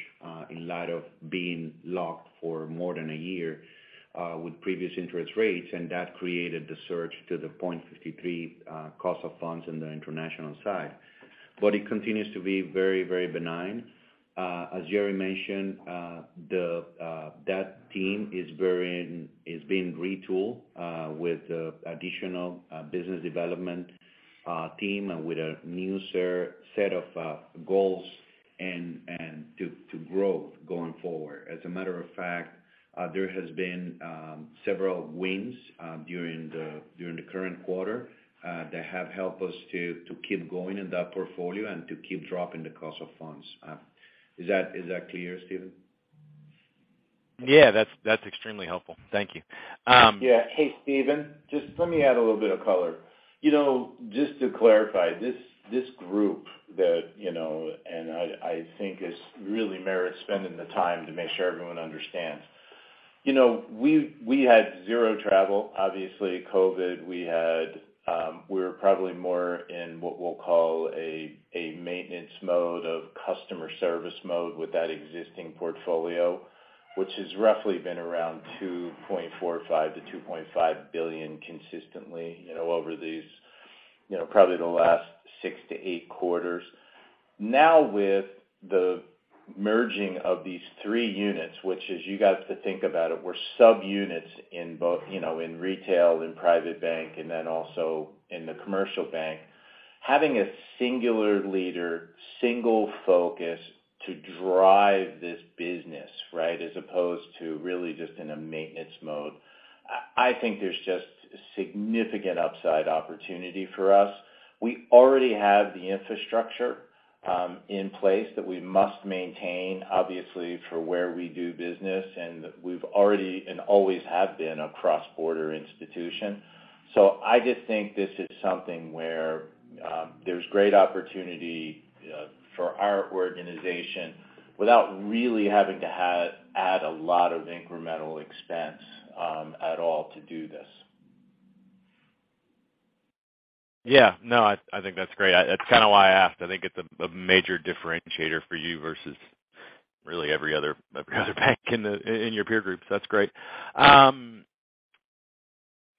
in light of being locked for more than a year with previous interest rates, that created the surge to the 0.53 cost of funds on the international side. It continues to be very benign. As Jerry mentioned, the that team is being retooled with additional business development team and with a new set of goals and to grow going forward. As a matter of fact, there has been several wins during the current quarter, that have helped us to keep going in that portfolio and to keep dropping the cost of funds. Is that clear, Stephen? Yeah, that's extremely helpful. Thank you. Yeah. Hey, Stephen, just let me add a little bit of color. You know, just to clarify, this group that, you know, and I think is really merits spending the time to make sure everyone understands. You know, we had 0 travel. Obviously, COVID, we had, we were probably more in what we'll call a maintenance mode of customer service mode with that existing portfolio, which has roughly been around $2.45 billion-$2.5 billion consistently, you know, over these. You know, probably the last six to eight quarters. With the merging of these three units, which is, you guys have to think about it, we're subunits in both, you know, in retail and private bank, and then also in the commercial bank. Having a singular leader, single focus to drive this business, right, as opposed to really just in a maintenance mode, I think there's just significant upside opportunity for us. We already have the infrastructure in place that we must maintain, obviously, for where we do business, and we've already and always have been a cross-border institution. I just think this is something where there's great opportunity for our organization without really having to add a lot of incremental expense at all to do this. Yeah, no, I think that's great. That's kind of why I asked. I think it's a major differentiator for you versus really every other bank in your peer group. That's great.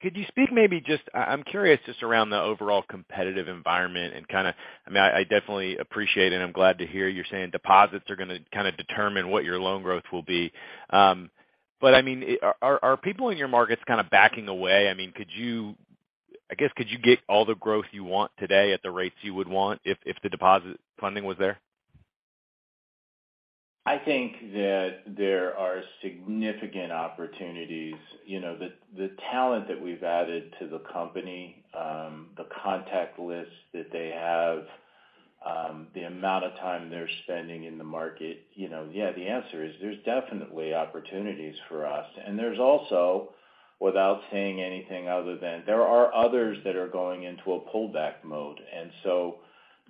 Could you speak maybe just, I'm curious just around the overall competitive environment and kind of, I mean, I definitely appreciate and I'm glad to hear you're saying deposits are gonna kind of determine what your loan growth will be. I mean, are people in your markets kind of backing away? I mean, could you, I guess, could you get all the growth you want today at the rates you would want if the deposit funding was there? I think that there are significant opportunities. You know, the talent that we've added to the company, the contact lists that they have, the amount of time they're spending in the market. You know, yeah, the answer is there's definitely opportunities for us. There's also, without saying anything other than there are others that are going into a pullback mode.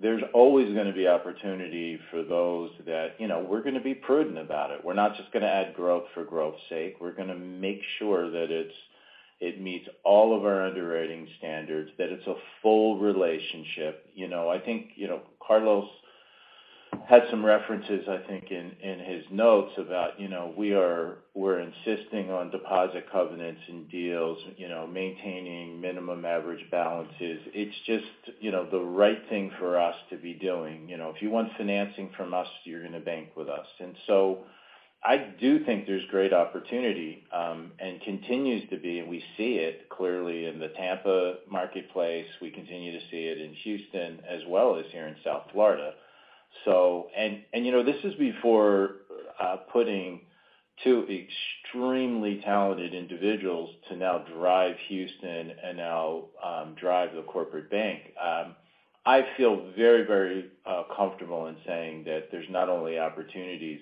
There's always gonna be opportunity for those that, you know, we're gonna be prudent about it. We're not just gonna add growth for growth's sake. We're gonna make sure that it's, it meets all of our underwriting standards, that it's a full relationship. You know, I think, you know, Carlos had some references, I think, in his notes about, you know, we're insisting on deposit covenants and deals, you know, maintaining minimum average balances. It's just, you know, the right thing for us to be doing. You know, if you want financing from us, you're gonna bank with us. I do think there's great opportunity and continues to be, and we see it clearly in the Tampa marketplace. We continue to see it in Houston as well as here in South Florida. You know, this is before putting two extremely talented individuals to now drive Houston and now drive the corporate bank. I feel very, very comfortable in saying that there's not only opportunities.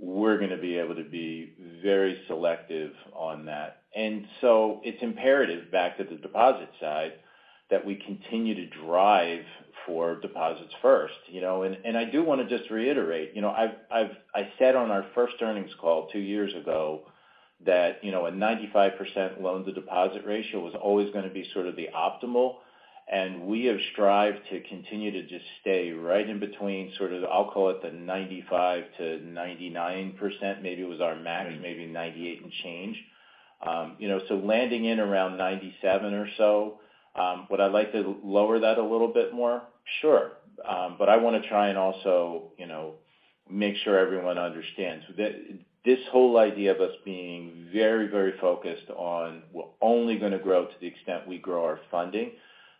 We're gonna be able to be very selective on that. It's imperative back to the deposit side, that we continue to drive for deposits first, you know. I do wanna just reiterate, you know, I said on our first earnings call two years ago that, you know, a 95% loan-to-deposit ratio was always gonna be sort of the optimal, and we have strived to continue to just stay right in between sort of, I'll call it the 95%-99%. Maybe it was our max, maybe 98% and change. You know, landing in around 97% or so, would I like to lower that a little bit more? Sure. I wanna try and also, you know, make sure everyone understands. This whole idea of us being very, very focused on we're only gonna grow to the extent we grow our funding.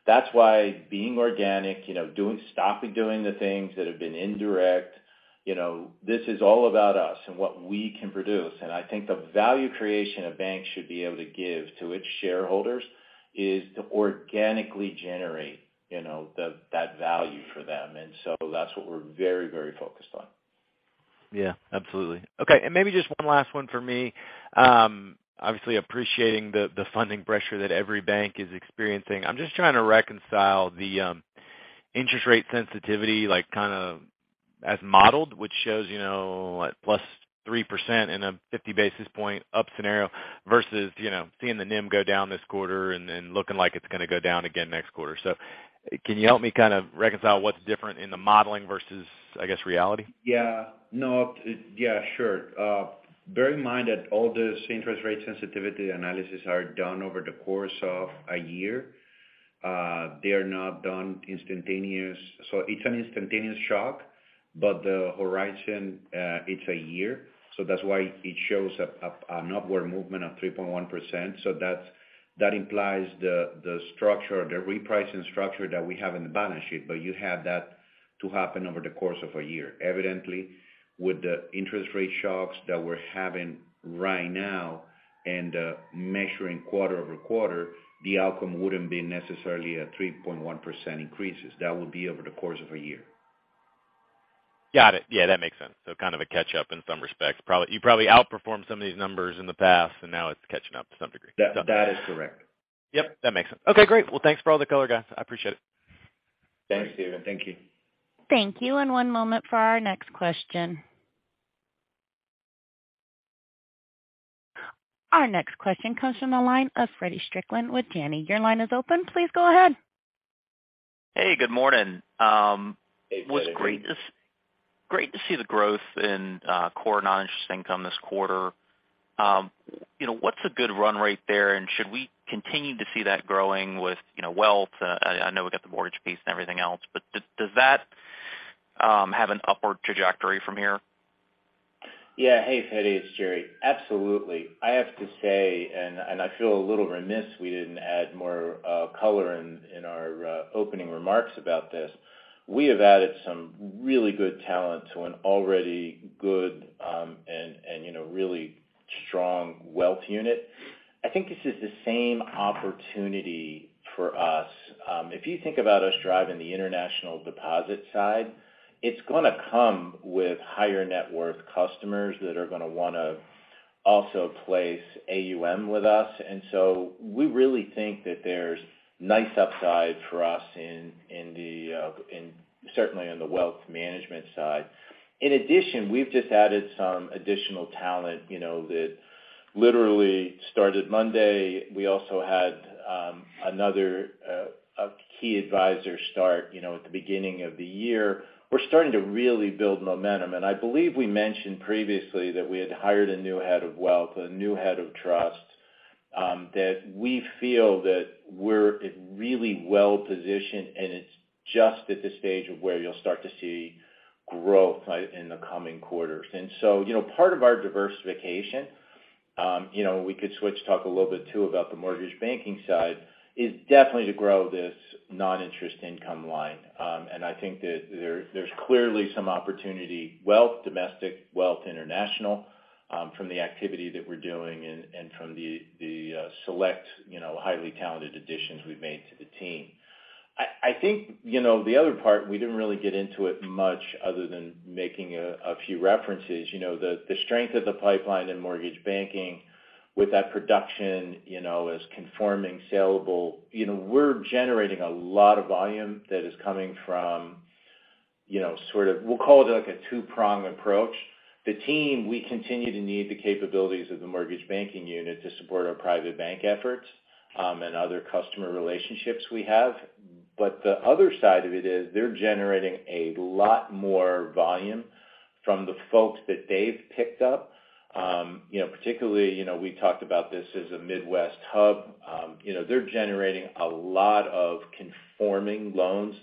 That's why being organic, you know, stopping doing the things that have been indirect, you know, this is all about us and what we can produce. I think the value creation a bank should be able to give to its shareholders is to organically generate, you know, that value for them. That's what we're very, very focused on. Yeah, absolutely. Okay. Maybe just one last one for me. Obviously appreciating the funding pressure that every bank is experiencing. I'm just trying to reconcile the interest rate sensitivity, like kind of as modeled, which shows, you know, +3% in a 50 basis point up scenario versus, you know, seeing the NIM go down this quarter and then looking like it's gonna go down again next quarter. Can you help me kind of reconcile what's different in the modeling versus, I guess, reality? Yeah. No. Yeah, sure. Bear in mind that all this interest rate sensitivity analysis are done over the course of a year. They are not done instantaneous. It's an instantaneous shock, but the horizon, it's a year, so that's why it shows an upward movement of 3.1%. That's, that implies the structure, the repricing structure that we have in the balance sheet, but you have that to happen over the course of a year. Evidently, with the interest rate shocks that we're having right now and measuring quarter over quarter, the outcome wouldn't be necessarily a 3.1% increases. That would be over the course of a year. Got it. Yeah, that makes sense. Kind of a catch-up in some respects. You probably outperformed some of these numbers in the past, and now it's catching up to some degree. That is correct. Yep, that makes sense. Okay, great. Well, thanks for all the color, guys. I appreciate it. Thanks, Stephen. Thank you. Thank you. One moment for our next question. Our next question comes from the line of Feddie Strickland with Janney. Your line is open. Please go ahead. Hey, good morning. Hey, Feddie. Great to see the growth in core non-interest income this quarter. You know, what's a good run rate there? Should we continue to see that growing with, you know, Wealth? I know we've got the mortgage piece and everything else, but does that have an upward trajectory from here? Yeah. Hey, Feddie, it's Jerry. Absolutely. I have to say, I feel a little remiss we didn't add more color in our opening remarks about this. We have added some really good talent to an already good, and, you know, really strong wealth unit. I think this is the same opportunity for us. If you think about us driving the international deposit side, it's gonna come with higher net worth customers that are gonna wanna also place AUM with us. We really think that there's nice upside for us in certainly on the Wealth management side. In addition, we've just added some additional talent, you know, that literally started Monday. We also had another key advisor start, you know, at the beginning of the year. We're starting to really build momentum. I believe we mentioned previously that we had hired a new Head of Wealth, a new Head of Trust, that we feel that we're really well-positioned, and it's just at the stage of where you'll start to see growth in the coming quarters. You know, part of our diversification, you know, we could switch talk a little bit too about the mortgage banking side, is definitely to grow this non-interest income line. I think that there's clearly some opportunity, wealth, domestic wealth international, from the activity that we're doing and from the select, you know, highly talented additions we've made to the team. I think, you know, the other part, we didn't really get into it much other than making a few references. You know, the strength of the pipeline in mortgage banking with that production, you know, is conforming saleable. You know, we're generating a lot of volume that is coming from, you know, sort of we'll call it like a two-prong approach. The team, we continue to need the capabilities of the mortgage banking unit to support our private bank efforts, and other customer relationships we have. The other side of it is they're generating a lot more volume from the folks that they've picked up. You know, particularly, you know, we talked about this as a Midwest hub. You know, they're generating a lot of conforming loans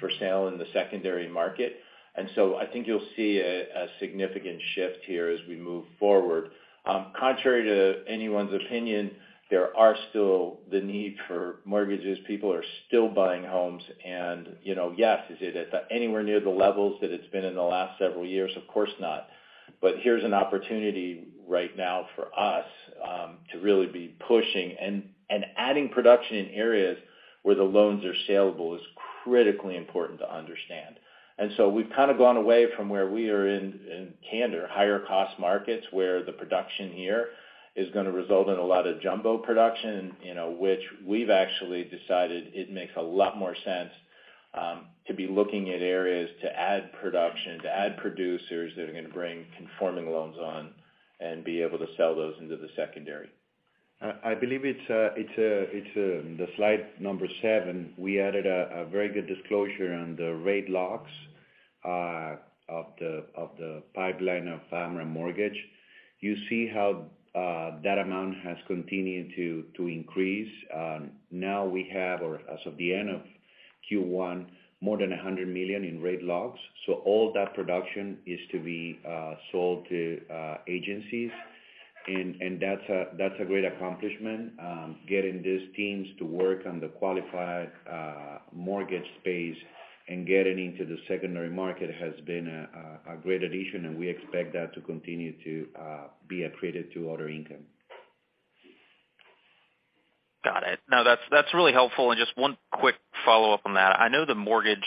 for sale in the secondary market. I think you'll see a significant shift here as we move forward. Contrary to anyone's opinion, there are still the need for mortgages. People are still buying homes. You know, yes, is it at anywhere near the levels that it's been in the last several years? Of course not. Here's an opportunity right now for us to really be pushing and adding production in areas where the loans are saleable is critically important to understand. So we've kind of gone away from where we are in candor, higher cost markets, where the production here is gonna result in a lot of jumbo production, you know, which we've actually decided it makes a lot more sense to be looking at areas to add production, to add producers that are gonna bring conforming loans on and be able to sell those into the secondary. I believe it's the slide number seven. We added a very good disclosure on the rate locks of the pipeline of Amerant Mortgage. You see how that amount has continued to increase. Now we have, or as of the end of Q1, more than $100 million in rate locks. All that production is to be sold to agencies. That's a great accomplishment. Getting these teams to work on the qualified mortgage space and getting into the secondary market has been a great addition, and we expect that to continue to be accreted to other income. Got it. No, that's really helpful. Just one quick follow-up on that. I know the mortgage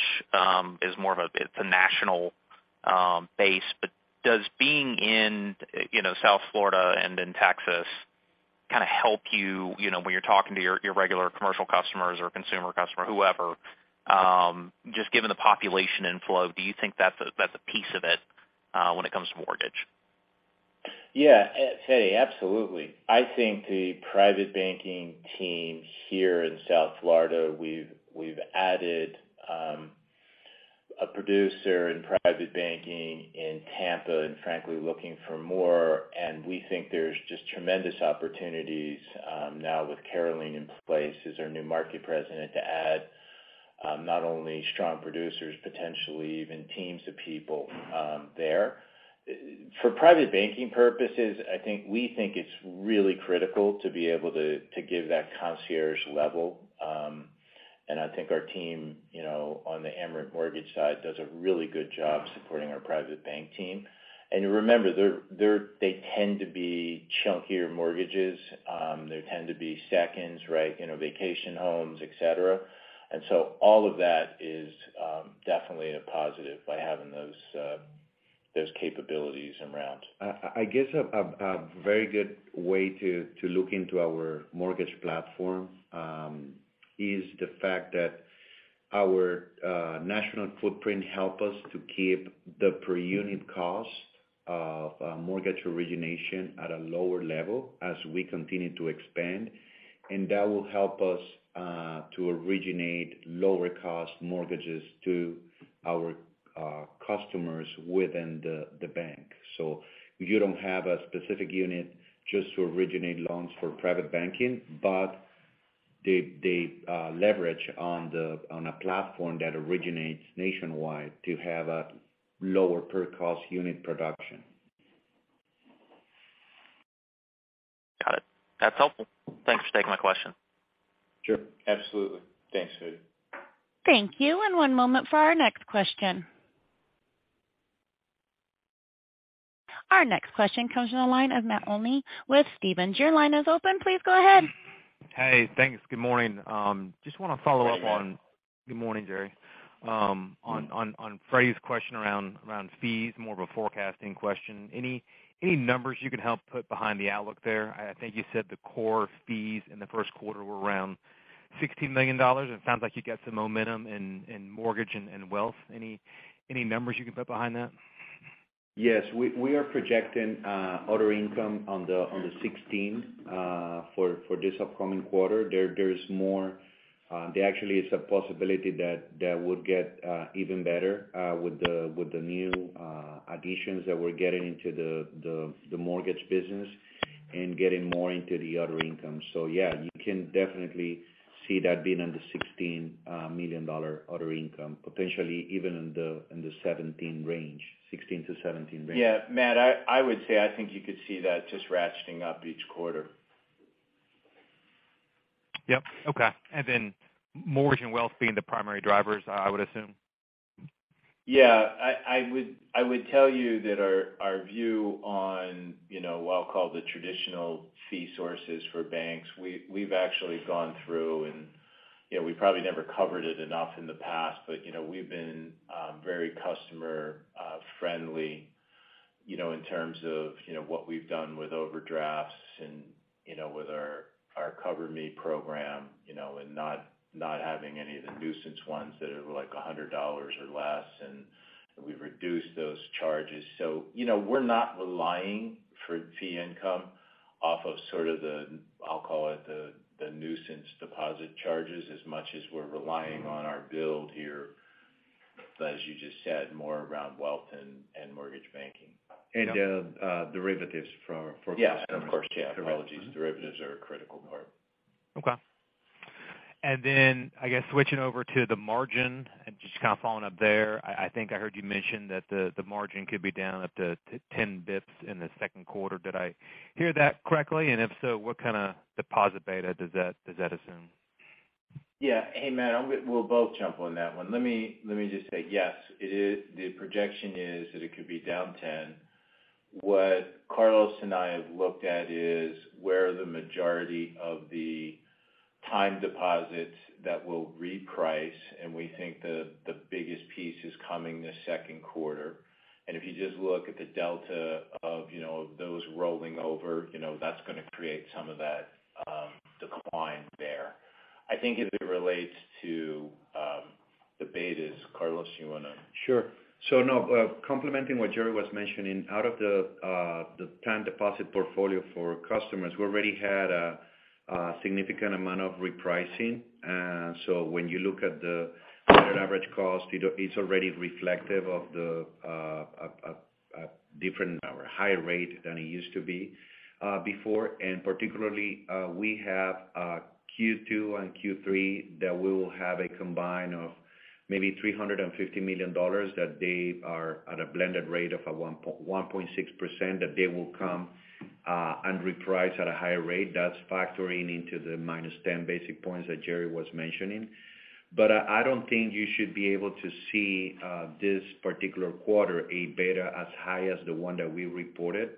is more of a, it's a national base. Does being in, you know, South Florida and in Texas kind of help you know, when you're talking to your regular commercial customers or consumer customer, whoever, just given the population inflow, do you think that's a piece of it when it comes to mortgage? Yeah, Feddie, absolutely. I think the Private Banking team here in South Florida, we've added a producer in Private Banking in Tampa and frankly looking for more. We think there's just tremendous opportunities now with Caroline in place as our new Market President to add not only strong producers, potentially even teams of people there. For private banking purposes, I think we think it's really critical to be able to give that concierge level. I think our team, you know, on the Amerant Mortgage side does a really good job supporting our Private Bank team. Remember, they tend to be chunkier mortgages. They tend to be seconds, right? You know, vacation homes, et cetera. All of that is definitely a positive by having those capabilities around. I guess a very good way to look into our mortgage platform is the fact that our national footprint help us to keep the per unit cost of mortgage origination at a lower level as we continue to expand, and that will help us to originate lower cost mortgages to our customers within the bank. You don't have a specific unit just to originate loans for Private Banking, but they leverage on a platform that originates nationwide to have a lower per cost unit production. Got it. That's helpful. Thanks for taking my question. Sure. Absolutely. Thanks, Feddie. Thank you. One moment for our next question. Our next question comes from the line of Matt Olney with Stephens. Your line is open. Please go ahead. Hey, thanks. Good morning. Just wanna follow up. Hey, Matt. Good morning, Jerry. On Freddy's question around fees, more of a forecasting question. Any numbers you could help put behind the outlook there? I think you said the core fees in the first quarter were around $60 million, and it sounds like you got some momentum in Mortgage and Wealth. Any numbers you can put behind that? Yes. We are projecting other income on the $16 milion for this upcoming quarter. There's more. There actually is a possibility that that would get even better with the new additions that we're getting into the mortgage business and getting more into the other income. You can definitely see that being in the $16 million other income, potentially even in the $17 million range, $16 million-$17 million range. Yeah, Matt, I would say I think you could see that just ratcheting up each quarter. Yep. Okay. Then Mortgage and Wealth being the primary drivers, I would assume. Yeah. I would tell you that our view on, you know, what I'll call the traditional fee sources for banks, we've actually gone through and, you know, we probably never covered it enough in the past. We've been very customer friendly, you know, in terms of, you know, what we've done with overdrafts and, you know, with our Amerant CoverMe program, you know, and not having any of the nuisance ones that are like $100 or less, and we've reduced those charges. We're not relying for fee income off of sort of the, I'll call it the nuisance deposit charges as much as we're relying on our build here, as you just said, more around Wealth and Mortgage banking. Derivatives for customers. Yeah. Of course. Yeah. Derivatives. Derivatives are a critical part. Okay. Then I guess switching over to the margin and just kind of following up there. I think I heard you mention that the margin could be down up to 10 basis points in the second quarter. Did I hear that correctly? If so, what kind of deposit beta does that assume? Yeah. Hey, Matt, we'll both jump on that one. Let me just say yes. The projection is that it could be down 10. What Carlos and I have looked at is where the majority of the time deposits that will reprice, and we think the biggest piece is coming this second quarter. If you just look at the delta of, you know, those rolling over, you know that's gonna create some of that decline there. I think if it relates to the betas, Carlos, you wanna? Sure. No, complementing what Jerry was mentioning, out of the time deposit portfolio for customers, we already had a significant amount of repricing. When you look at the average cost, it's already reflective of a different or higher rate than it used to be before. Particularly, we have Q2 and Q3 that we will have a combine of maybe $350 million, that they are at a blended rate of 1.6%, that they will come and reprice at a higher rate. That's factoring into the -10 basis points that Jerry was mentioning. I don't think you should be able to see this particular quarter a beta as high as the one that we reported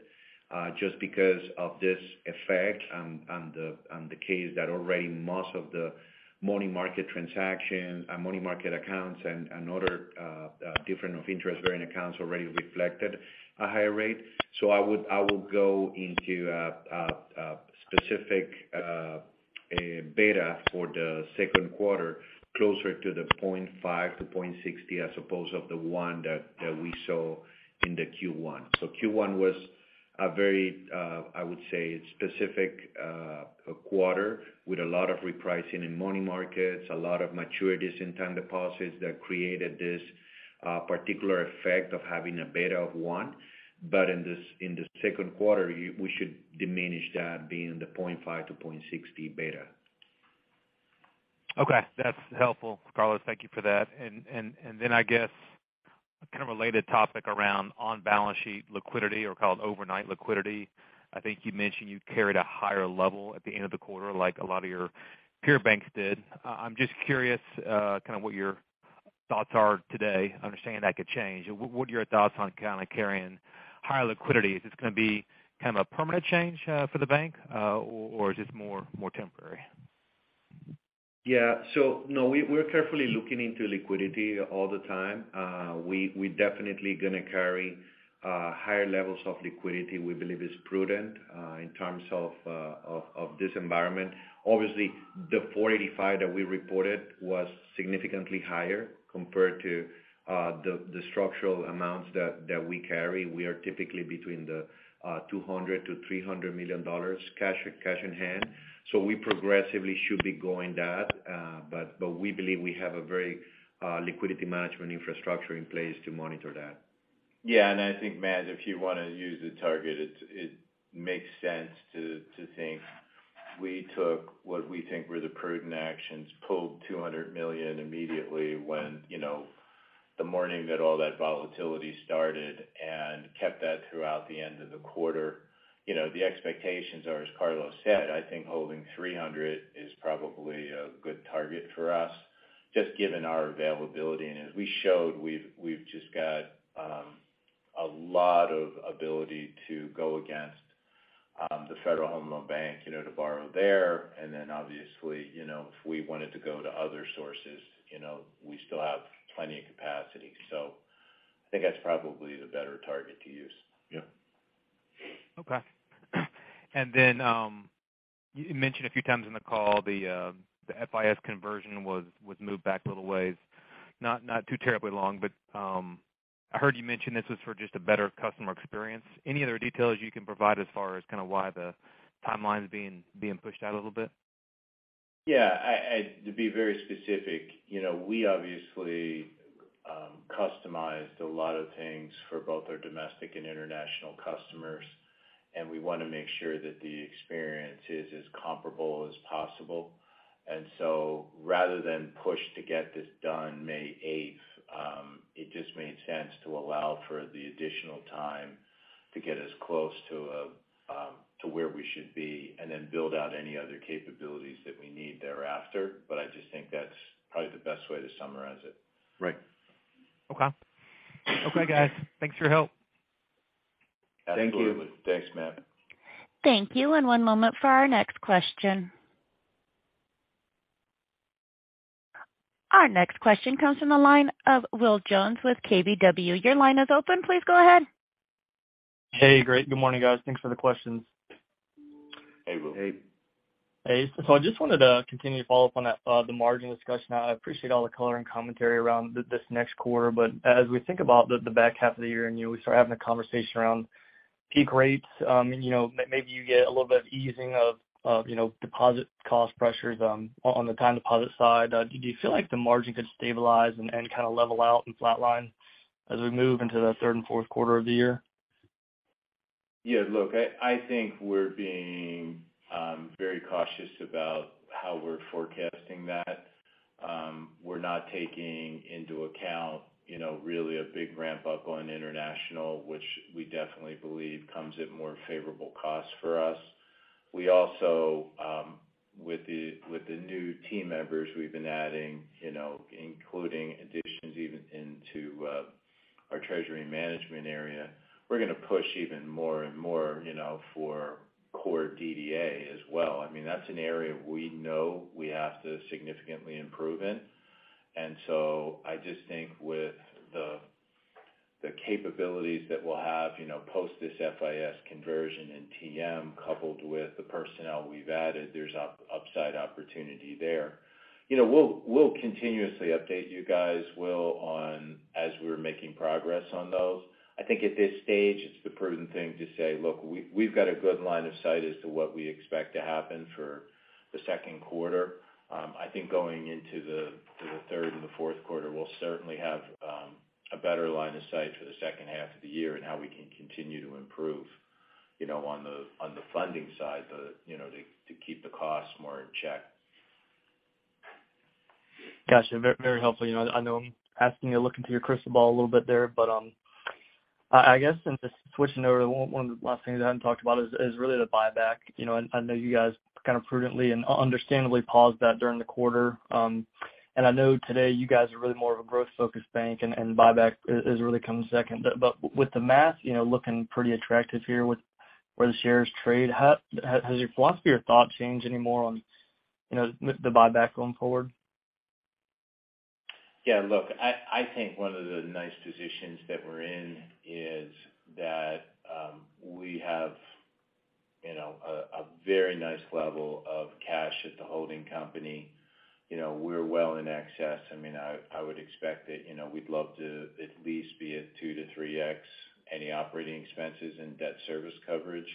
just because of this effect and the case that already most of the money market accounts and other different of interest-bearing accounts already reflected a higher rate. I would go into a specific beta for the second quarter, closer to the 0.5-0.60, as opposed of the one that we saw in the Q1. Q1 was a very, I would say specific, quarter with a lot of repricing in money markets, a lot of maturities in time deposits that created this particular effect of having a beta of one. In the second quarter we should diminish that being the 0.5-0.60 beta. Okay. That's helpful, Carlos. Thank you for that. I guess kind of related topic around on balance sheet liquidity or called overnight liquidity. I think you mentioned you carried a higher level at the end of the quarter like a lot of your peer banks did. I'm just curious, kind of what your thoughts are today. I understand that could change. What, what are your thoughts on kind of carrying higher liquidity? Is this gonna be kind of a permanent change for the bank, or is this more, more temporary? No, we're carefully looking into liquidity all the time. We definitely gonna carry higher levels of liquidity. We believe it's prudent in terms of this environment. Obviously, the $485 million that we reported was significantly higher compared to the structural amounts that we carry. We are typically between the $200 million-$300 million cash on hand. We progressively should be growing that. but we believe we have a very liquidity management infrastructure in place to monitor that. Yeah. I think, Matt, if you wanna use the target, it makes sense to think we took what we think were the prudent actions, pulled $200 million immediately when, you know, the morning that all that volatility started and kept that throughout the end of the quarter. You know, the expectations are, as Carlos said, I think holding $300 million is probably a good target for us, just given our availability. As we showed, we've just got a lot of ability to go against the Federal Home Loan Bank, you know, to borrow there. Then obviously, you know, if we wanted to go to other sources, you know, we still have plenty of capacity. I think that's probably the better target to use. Yeah. Okay. Then, you mentioned a few times in the call the FIS conversion was moved back a little ways, not too terribly long, but I heard you mention this was for just a better customer experience. Any other details you can provide as far as kind of why the timeline's being pushed out a little bit? Yeah. To be very specific, you know, we obviously customized a lot of things for both our domestic and international customers, and we wanna make sure that the experience is as comparable as possible. Rather than push to get this done May 8th, it just made sense to allow for the additional time to get as close to where we should be and then build out any other capabilities that we need thereafter. I just think that's probably the best way to summarize it. Right. Okay. Okay, guys. Thanks for your help. Absolutely. Thank you. Thanks, Matt. Thank you. One moment for our next question. Our next question comes from the line of Will Jones with KBW. Your line is open. Please go ahead. Hey. Great. Good morning, guys. Thanks for the questions. Hey, Will. Hey. Hey. I just wanted to continue to follow up on that, the margin discussion. I appreciate all the color and commentary around this next quarter. As we think about the back half of the year, and you know, we start having a conversation around peak rates, you know, maybe you get a little bit of easing of, you know, deposit cost pressures, on the time deposit side. Do you feel like the margin could stabilize and kind of level out and flatline as we move into the third and fourth quarter of the year? Yeah. Look, I think we're being very cautious about how we're forecasting that. We're not taking into account, you know, really a big ramp up on international, which we definitely believe comes at more favorable costs for us. We also, with the new team members we've been adding, you know, including additions even into our treasury management area, we're gonna push even more and more, you know, for core DDA as well. I mean, that's an area we know we have to significantly improve in. I just think with the capabilities that we'll have, you know, post this FIS conversion and TM coupled with the personnel we've added, there's upside opportunity there. You know, we'll continuously update you guys, Will, on as we're making progress on those. I think at this stage, it's the prudent thing to say, look, we've got a good line of sight as to what we expect to happen for the second quarter. I think going into the third and the fourth quarter, we'll certainly have a better line of sight for the second half of the year and how we can continue to improve, you know, on the funding side, you know, to keep the costs more in check. Gotcha. Very helpful. You know, I know I'm asking you to look into your crystal ball a little bit there. I guess just switching over to one of the last things I haven't talked about is really the buyback. You know, I know you guys kind of prudently and understandably paused that during the quarter. I know today you guys are really more of a growth-focused bank, and buyback is really coming second. But with the math, you know, looking pretty attractive here with where the shares trade, has your philosophy or thought changed any more on, you know, the buyback going forward? Yeah. Look, I think one of the nice positions that we're in is that, we have, you know, a very nice level of cash at the holding company. You know, we're well in excess. I mean, I would expect that, you know, we'd love to at least be at 2x-3x any operating expenses and debt service coverage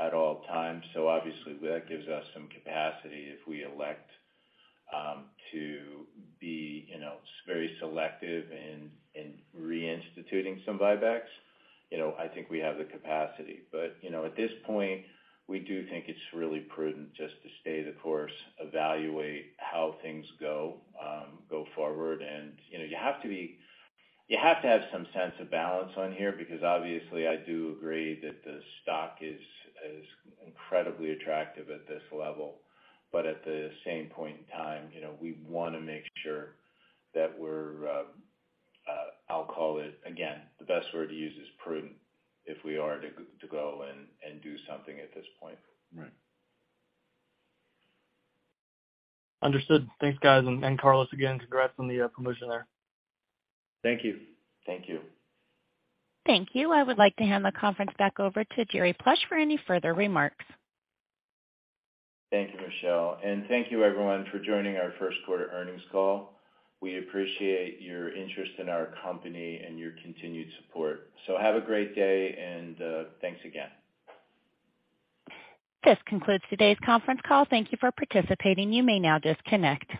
at all times. Obviously, that gives us some capacity if we elect to be, you know, very selective in reinstituting some buybacks. You know, I think we have the capacity. At this point, we do think it's really prudent just to stay the course, evaluate how things go forward. You know, you have to have some sense of balance on here because obviously I do agree that the stock is incredibly attractive at this level. At the same point in time, you know, we wanna make sure that we're, I'll call it again, the best word to use is prudent if we are to go and do something at this point. Right. Understood. Thanks, guys. Carlos, again, congrats on the promotion there. Thank you. Thank you. Thank you. I would like to hand the conference back over to Jerry Plush for any further remarks. Thank you, Michelle. Thank you everyone for joining our first quarter earnings call. We appreciate your interest in our company and your continued support. Have a great day, and thanks again. This concludes today's conference call. Thank you for participating. You may now disconnect.